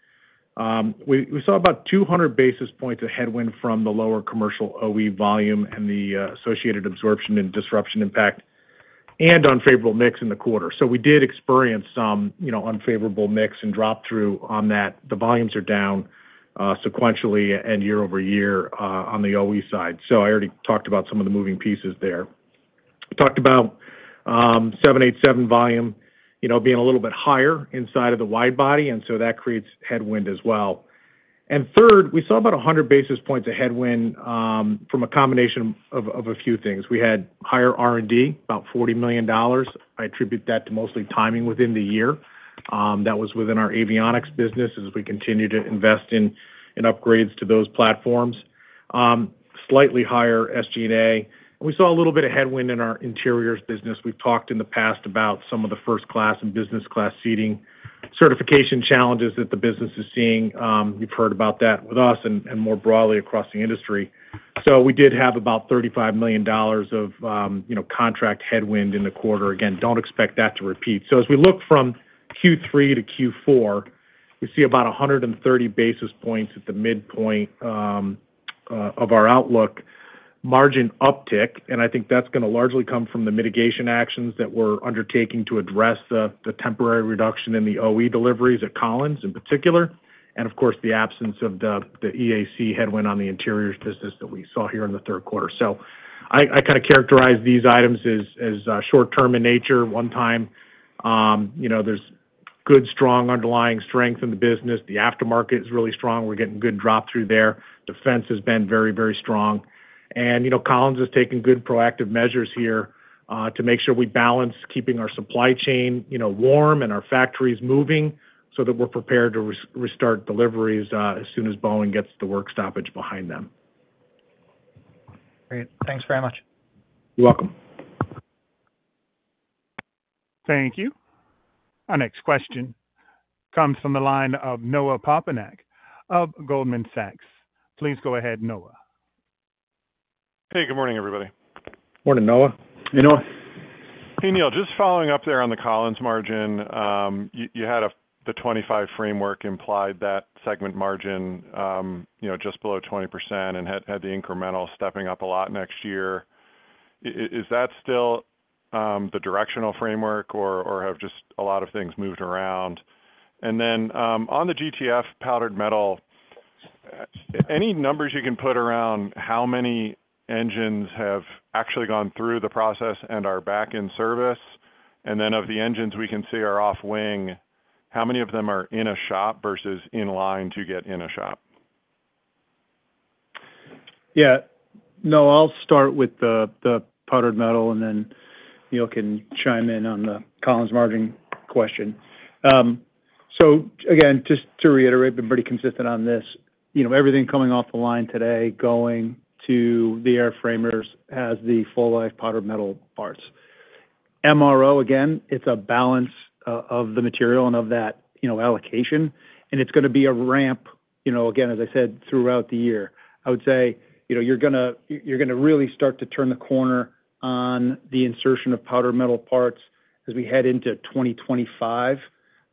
we saw about two hundred basis points of headwind from the lower commercial OE volume and the associated absorption and disruption impact and unfavorable mix in the quarter. So we did experience some, you know, unfavorable mix and drop through on that. The volumes are down sequentially and year over year on the OE side. So I already talked about some of the moving pieces there. Talked about 787 volume, you know, being a little bit higher inside of the wide body, and so that creates headwind as well. And third, we saw about 100 basis points of headwind from a combination of a few things. We had higher R&D, about $40 million. I attribute that to mostly timing within the year. That was within our avionics business as we continue to invest in upgrades to those platforms. Slightly higher SG&A, and we saw a little bit of headwind in our interiors business. We've talked in the past about some of the first class and business class seating certification challenges that the business is seeing. You've heard about that with us and more broadly across the industry. So we did have about $35 million of, you know, contract headwind in the quarter. Again, don't expect that to repeat. So as we look from Q3 to Q4, you see about a hundred and thirty basis points at the midpoint of our outlook margin uptick, and I think that's going to largely come from the mitigation actions that we're undertaking to address the temporary reduction in the OE deliveries at Collins in particular, and of course, the absence of the EAC headwind on the interiors business that we saw here in the third quarter. So I kind of characterize these items as short-term in nature, one time. You know, there's good, strong underlying strength in the business. The aftermarket is really strong. We're getting good drop through there. Defense has been very, very strong. You know, Collins is taking good proactive measures here to make sure we balance keeping our supply chain, you know, warm and our factories moving so that we're prepared to restart deliveries as soon as Boeing gets the work stoppage behind them. Great. Thanks very much. You're welcome. Thank you. Our next question comes from the line of Noah Poponak of Goldman Sachs. Please go ahead, Noah. Hey, good morning, everybody. Morning, Noah. Hey, Noah. Hey, Neil. Just following up there on the Collins margin, you had a the 2025 framework implied that segment margin, you know, just below 20% and had the incremental stepping up a lot next year. Is that still the directional framework, or have just a lot of things moved around? And then, on the GTF powdered metal, any numbers you can put around how many engines have actually gone through the process and are back in service? And then of the engines we can see are off wing, how many of them are in a shop versus in line to get in a shop? Yeah. Noah, I'll start with the powdered metal, and then Neil can chime in on the Collins margin question. So again, just to reiterate, been pretty consistent on this. You know, everything coming off the line today, going to the airframers has the full life powdered metal parts. MRO, again, it's a balance of the material and of that, you know, allocation, and it's going to be a ramp, you know, again, as I said, throughout the year. I would say, you know, you're gonna really start to turn the corner on the insertion of powdered metal parts as we head into 2025,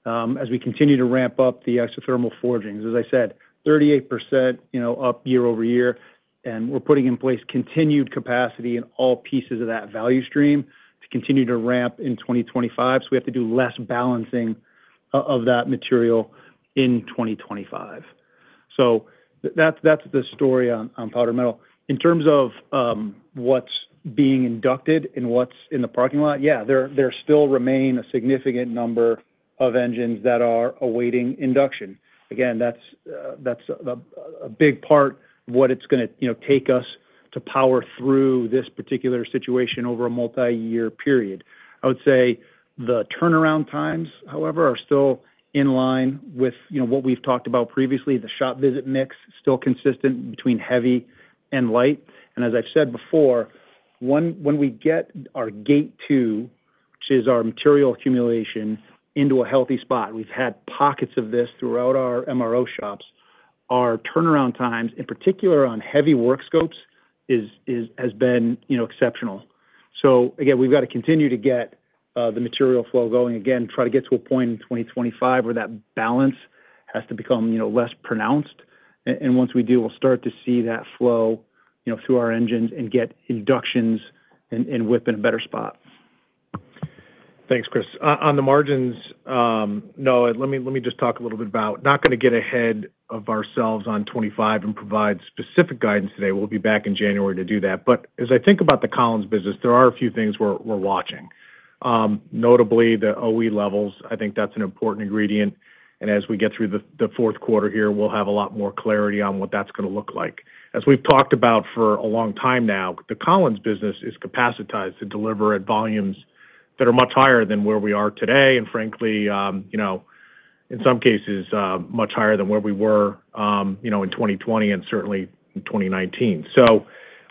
as we continue to ramp up the isothermal forgings. As I said, 38%, you know, up year over year, and we're putting in place continued capacity in all pieces of that value stream to continue to ramp in 2025, so we have to do less balancing of that material in 2025. So that's the story on powdered metal. In terms of what's being inducted and what's in the parking lot, yeah, there still remain a significant number of engines that are awaiting induction. Again, that's a big part of what it's gonna, you know, take us to power through this particular situation over a multiyear period. I would say the turnaround times, however, are still in line with, you know, what we've talked about previously. The shop visit mix still consistent between heavy and light. And as I've said before, one, when we get our gate two, which is our material accumulation, into a healthy spot, we've had pockets of this throughout our MRO shops. Our turnaround times, in particular on heavy work scopes, has been, you know, exceptional. So again, we've got to continue to get the material flow going again, try to get to a point in 2025 where that balance has to become, you know, less pronounced. And once we do, we'll start to see that flow, you know, through our engines and get inductions and WIP in a better spot. Thanks, Chris. On the margins, Noah, let me just talk a little bit about... Not going to get ahead of ourselves on 2025 and provide specific guidance today. We'll be back in January to do that. But as I think about the Collins business, there are a few things we're watching. Notably, the OE levels, I think that's an important ingredient, and as we get through the fourth quarter here, we'll have a lot more clarity on what that's going to look like. As we've talked about for a long time now, the Collins business is capacitated to deliver at volumes that are much higher than where we are today, and frankly, you know, in some cases, much higher than where we were, you know, in 2020 and certainly in 2019. So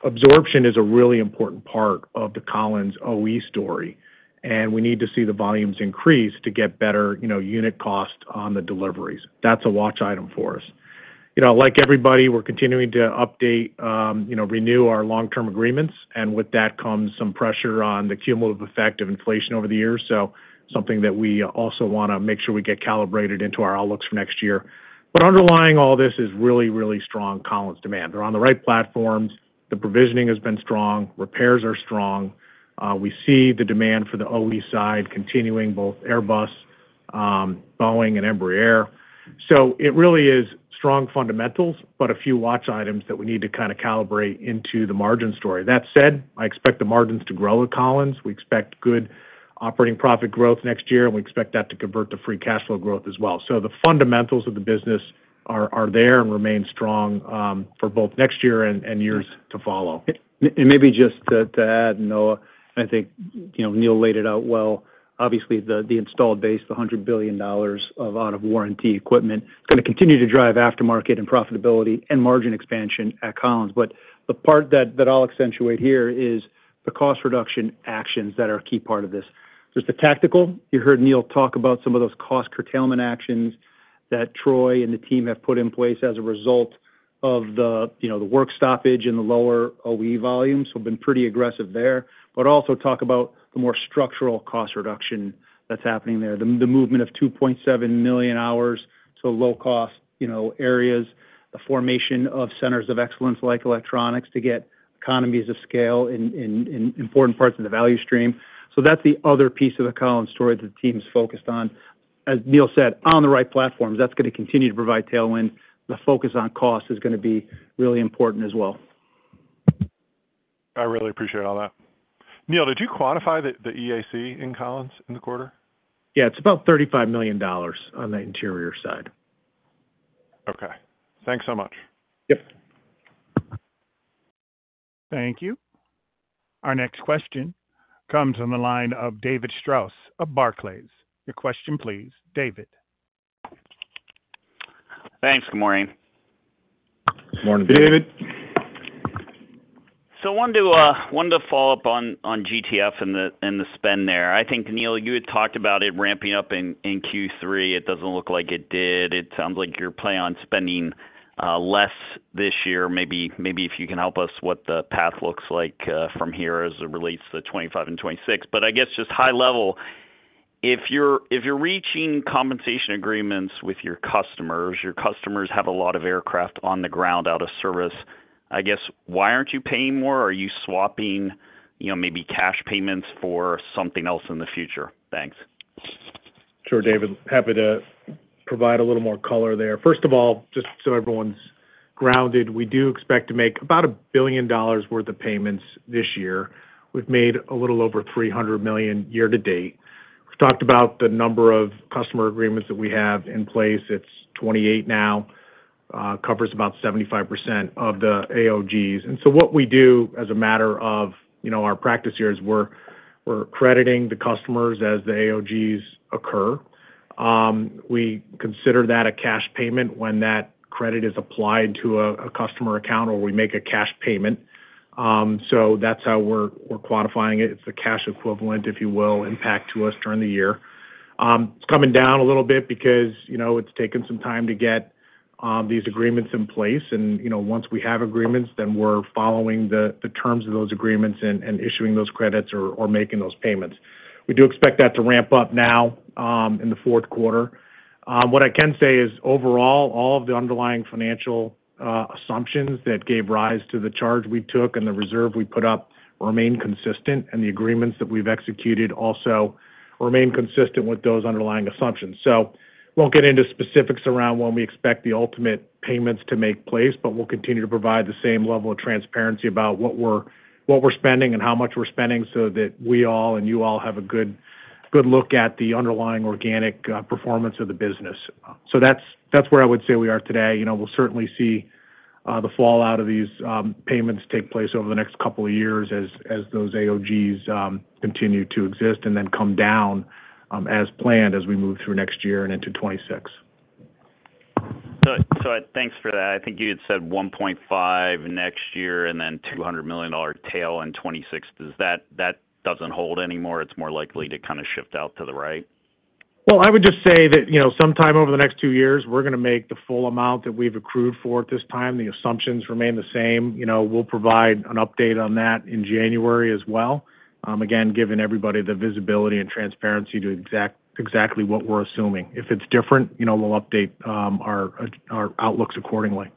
absorption is a really important part of the Collins OE story, and we need to see the volumes increase to get better, you know, unit cost on the deliveries. That's a watch item for us. You know, like everybody, we're continuing to update, you know, renew our long-term agreements, and with that comes some pressure on the cumulative effect of inflation over the years. So something that we also want to make sure we get calibrated into our outlooks for next year. But underlying all this is really, really strong Collins demand. They're on the right platforms, the provisioning has been strong, repairs are strong, we see the demand for the OE side continuing, both Airbus, Boeing and Embraer. So it really is strong fundamentals, but a few watch items that we need to calibrate into the margin story. That said, I expect the margins to grow at Collins. We expect good operating profit growth next year, and we expect that to convert to free cash flow growth as well. The fundamentals of the business are there and remain strong for both next year and years to follow. And maybe just to add, Noah, I think, you know, Neil laid it out well. Obviously, the installed base, the $100 billion of out-of-warranty equipment, is going to continue to drive aftermarket and profitability and margin expansion at Collins. But the part that I'll accentuate here is the cost reduction actions that are a key part of this. Just the tactical, you heard Neil talk about some of those cost curtailment actions that Troy and the team have put in place as a result of the, you know, the work stoppage and the lower OE volumes, so been pretty aggressive there, but also talk about the more structural cost reduction that's happening there. The movement of 2.7 million hours to low cost, you know, areas, the formation of centers of excellence like electronics, to get economies of scale in important parts of the value stream. So that's the other piece of the Collins story that the team's focused on.... as Neil said, on the right platforms, that's gonna continue to provide tailwind. The focus on cost is gonna be really important as well. I really appreciate all that. Neil, did you quantify the EAC in Collins in the quarter? Yeah, it's about $35 million on the interior side. Okay. Thanks so much. Yep. Thank you. Our next question comes from the line of David Strauss of Barclays. Your question, please, David. Thanks. Good morning. Morning, David. David? So I wanted to follow up on GTF and the spend there. I think, Neil, you had talked about it ramping up in Q3. It doesn't look like it did. It sounds like your plan on spending less this year. Maybe if you can help us what the path looks like from here as it relates to 2025 and 2026. But I guess just high level, if you're reaching compensation agreements with your customers, your customers have a lot of aircraft on the ground out of service. I guess, why aren't you paying more? Are you swapping, you know, maybe cash payments for something else in the future? Thanks. Sure, David. Happy to provide a little more color there. First of all, just so everyone's grounded, we do expect to make about $1 billion worth of payments this year. We've made a little over $300 million year to date. We've talked about the number of customer agreements that we have in place. It's 28 now, covers about 75% of the AOGs. And so what we do as a matter of, you know, our practice here is we're crediting the customers as the AOGs occur. We consider that a cash payment when that credit is applied to a customer account, or we make a cash payment. So that's how we're quantifying it. It's the cash equivalent, if you will, impact to us during the year. It's coming down a little bit because, you know, it's taken some time to get these agreements in place, and you know, once we have agreements, then we're following the terms of those agreements and issuing those credits or making those payments. We do expect that to ramp up now in the fourth quarter. What I can say is, overall, all of the underlying financial assumptions that gave rise to the charge we took and the reserve we put up remain consistent, and the agreements that we've executed also remain consistent with those underlying assumptions. So we won't get into specifics around when we expect the ultimate payments to take place, but we'll continue to provide the same level of transparency about what we're spending and how much we're spending, so that we all and you all have a good look at the underlying organic performance of the business. That's where I would say we are today. You know, we'll certainly see the fallout of these payments take place over the next couple of years as those AOGs continue to exist and then come down as planned as we move through next year and into 2026. Thanks for that. I think you had said $1.5 next year and then $200 million tail in 2026. Does that not hold anymore? It's more likely to kind of shift out to the right? I would just say that, you know, sometime over the next two years, we're gonna make the full amount that we've accrued for at this time. The assumptions remain the same. You know, we'll provide an update on that in January as well. Again, giving everybody the visibility and transparency to exactly what we're assuming. If it's different, you know, we'll update our outlooks accordingly.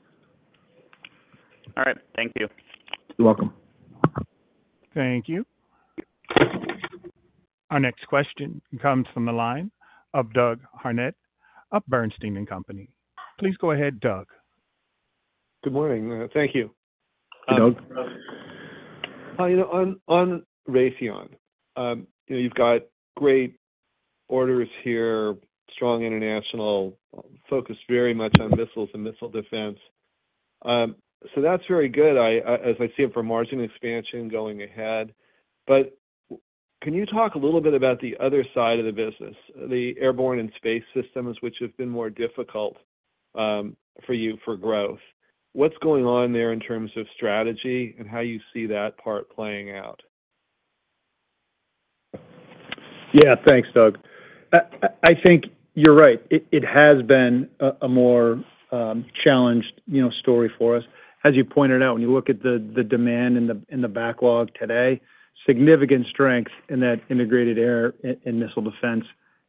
All right. Thank you. You're welcome. Thank you. Our next question comes from the line of Doug Harned of Bernstein & Company. Please go ahead, Doug. Good morning. Thank you. Hey, Doug. You know, on Raytheon, you know, you've got great orders here, strong international, focused very much on missiles and missile defense. So that's very good, as I see it, for margin expansion going ahead. But can you talk a little bit about the other side of the business, the airborne and space systems, which have been more difficult, for you for growth? What's going on there in terms of strategy and how you see that part playing out? Yeah. Thanks, Doug. I think you're right. It has been a more challenged, you know, story for us. As you pointed out, when you look at the demand in the backlog today, significant strength in that integrated air and missile defense,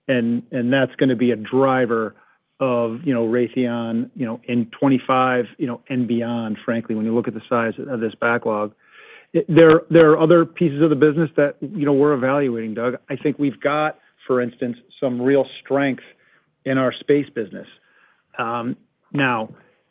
and that's gonna be a driver of, you know, Raytheon, you know, in 2025, you know, and beyond, frankly, when you look at the size of this backlog. There are other pieces of the business that, you know, we're evaluating, Doug. I think we've got, for instance, some real strength in our space business. Now,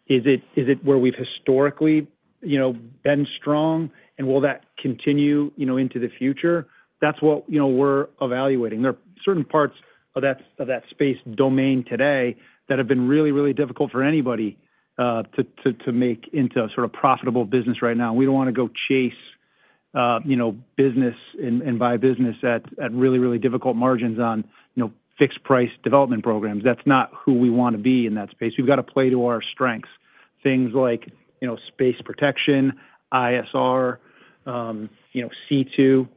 is it where we've historically, you know, been strong, and will that continue, you know, into the future? That's what, you know, we're evaluating. There are certain parts of that space domain today that have been really, really difficult for anybody to make into a sort of profitable business right now. We don't wanna go chase you know business and buy business at really, really difficult margins on you know fixed price development programs. That's not who we wanna be in that space. We've got to play to our strengths, things like you know space protection, ISR, you know, C2.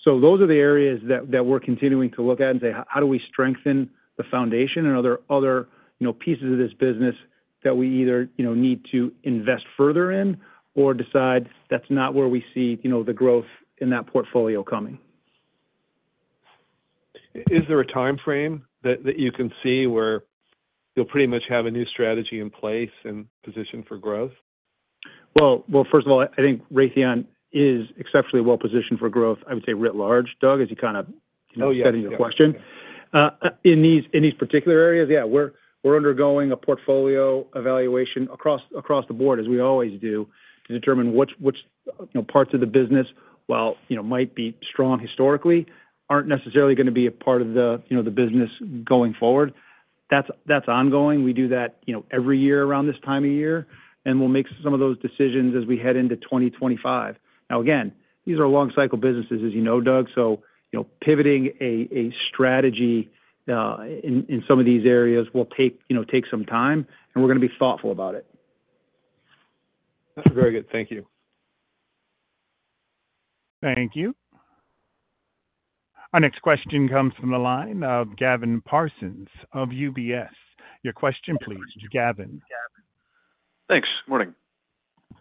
So those are the areas that we're continuing to look at and say, how do we strengthen the foundation and other you know pieces of this business that we either you know need to invest further in or decide that's not where we see you know the growth in that portfolio coming? Is there a timeframe that you can see where you'll pretty much have a new strategy in place and position for growth?... Well, first of all, I think Raytheon is exceptionally well positioned for growth, I would say, writ large, Doug, as you kind of- Oh, yeah. I said in your question. In these particular areas, yeah, we're undergoing a portfolio evaluation across the board, as we always do, to determine which, you know, parts of the business, while, you know, might be strong historically, aren't necessarily gonna be a part of the, you know, the business going forward. That's ongoing. We do that, you know, every year around this time of year, and we'll make some of those decisions as we head into 2025. Now, again, these are long cycle businesses, as you know, Doug, so, you know, pivoting a strategy in some of these areas will take some time, and we're gonna be thoughtful about it. That's very good. Thank you. Thank you. Our next question comes from the line of Gavin Parsons of UBS. Your question, please, Gavin. Thanks. Morning.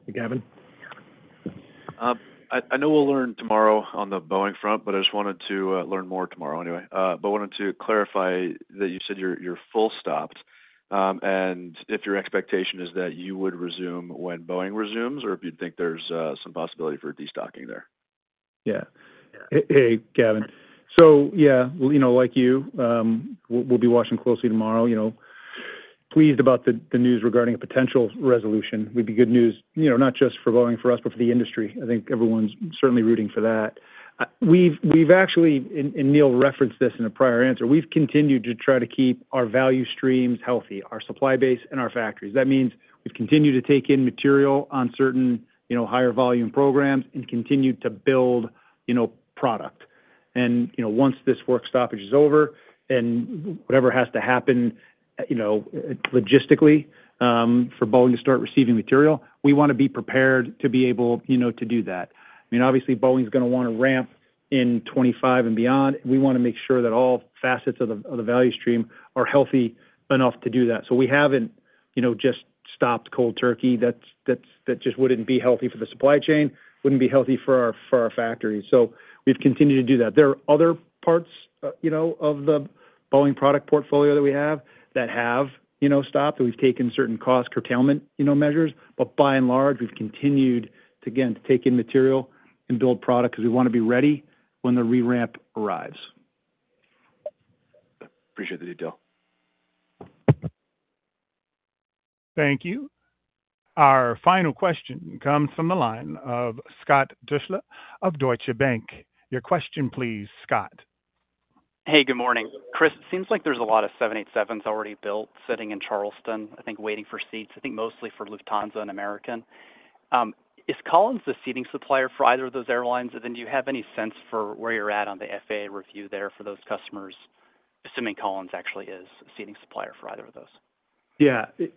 Hey, Gavin. I know we'll learn tomorrow on the Boeing front, but I just wanted to learn more tomorrow anyway, but wanted to clarify that you said you're full stopped, and if your expectation is that you would resume when Boeing resumes, or if you think there's some possibility for destocking there? Yeah. Hey, hey, Gavin. So yeah, well, you know, like you, we'll be watching closely tomorrow, you know. Pleased about the news regarding a potential resolution. Would be good news, you know, not just for Boeing, for us, but for the industry. I think everyone's certainly rooting for that. We've actually, and Neil referenced this in a prior answer, we've continued to try to keep our value streams healthy, our supply base and our factories. That means we've continued to take in material on certain, you know, higher volume programs and continued to build, you know, product. And, you know, once this work stoppage is over, and whatever has to happen, you know, logistically for Boeing to start receiving material, we wanna be prepared to be able, you know, to do that. I mean, obviously, Boeing's gonna wanna ramp in 25 and beyond. We wanna make sure that all facets of the value stream are healthy enough to do that. So we haven't, you know, just stopped cold turkey. That's- that just wouldn't be healthy for the supply chain, wouldn't be healthy for our factories. So we've continued to do that. There are other parts, you know, of the Boeing product portfolio that we have that have, you know, stopped, and we've taken certain cost curtailment, you know, measures. But by and large, we've continued to, again, to take in material and build product because we wanna be ready when the re-ramp arrives. Appreciate the detail. Thank you. Our final question comes from the line of Scott Deuschle of Deutsche Bank. Your question, please, Scott. Hey, good morning. Chris, it seems like there's a lot of 787s already built, sitting in Charleston, I think, waiting for seats, I think mostly for Lufthansa and American. Is Collins the seating supplier for either of those airlines? And then, do you have any sense for where you're at on the FAA review there for those customers, assuming Collins actually is a seating supplier for either of those? Yeah. It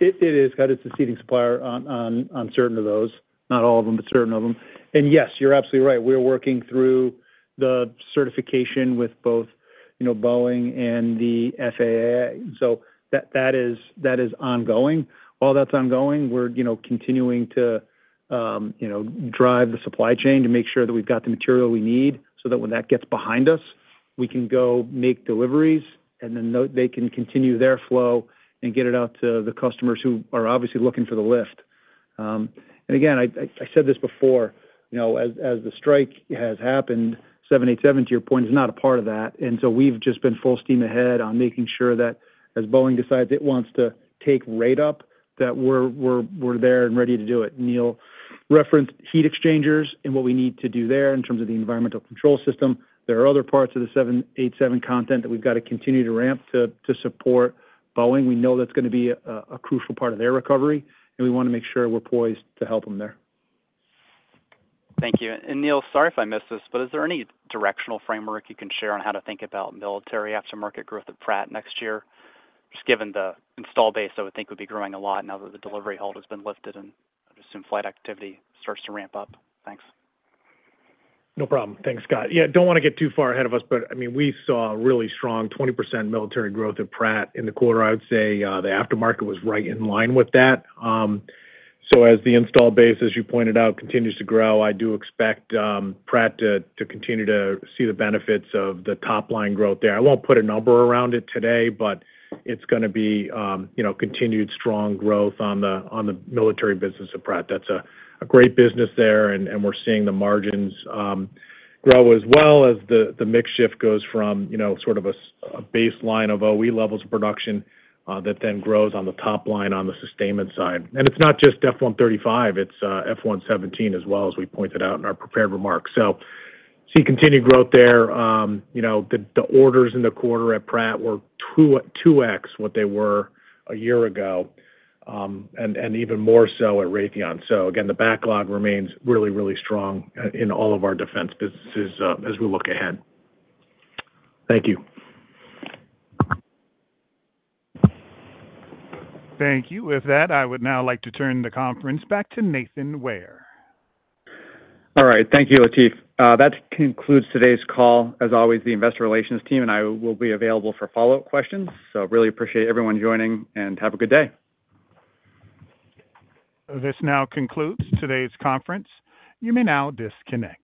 is, Scott. It's a seating supplier on certain of those. Not all of them, but certain of them. And yes, you're absolutely right. We're working through the certification with both, you know, Boeing and the FAA. So that is ongoing. While that's ongoing, we're you know continuing to you know drive the supply chain to make sure that we've got the material we need, so that when that gets behind us, we can go make deliveries, and then they can continue their flow and get it out to the customers who are obviously looking for the lift. And again, I said this before, you know, as the strike has happened, 787, to your point, is not a part of that. And so we've just been full steam ahead on making sure that as Boeing decides it wants to take rate up, that we're there and ready to do it. Neil referenced heat exchangers and what we need to do there in terms of the environmental control system. There are other parts of the 787 content that we've got to continue to ramp to support Boeing. We know that's gonna be a crucial part of their recovery, and we wanna make sure we're poised to help them there. Thank you. Neil, sorry if I missed this, but is there any directional framework you can share on how to think about military aftermarket growth at Pratt next year? Just given the install base, I would think it would be growing a lot now that the delivery hold has been lifted and just in-flight activity starts to ramp up. Thanks. No problem. Thanks, Scott. Yeah, don't wanna get too far ahead of us, but I mean, we saw a really strong 20% military growth at Pratt in the quarter. I would say, the aftermarket was right in line with that. So as the install base, as you pointed out, continues to grow, I do expect, Pratt to continue to see the benefits of the top line growth there. I won't put a number around it today, but it's gonna be, you know, continued strong growth on the military business of Pratt. That's a great business there, and we're seeing the margins grow as well as the mix shift goes from, you know, sort of a baseline of OE levels of production, that then grows on the top line on the sustainment side. It's not just F135, it's F-117 as well, as we pointed out in our prepared remarks. We see continued growth there. You know, the orders in the quarter at Pratt were 2x what they were a year ago, and even more so at Raytheon. Again, the backlog remains really, really strong in all of our defense businesses, as we look ahead. Thank you. Thank you. With that, I would now like to turn the conference back to Nathan Ware. All right. Thank you, Latif. That concludes today's call. As always, the investor relations team and I will be available for follow-up questions. So really appreciate everyone joining, and have a good day. This now concludes today's conference. You may now disconnect.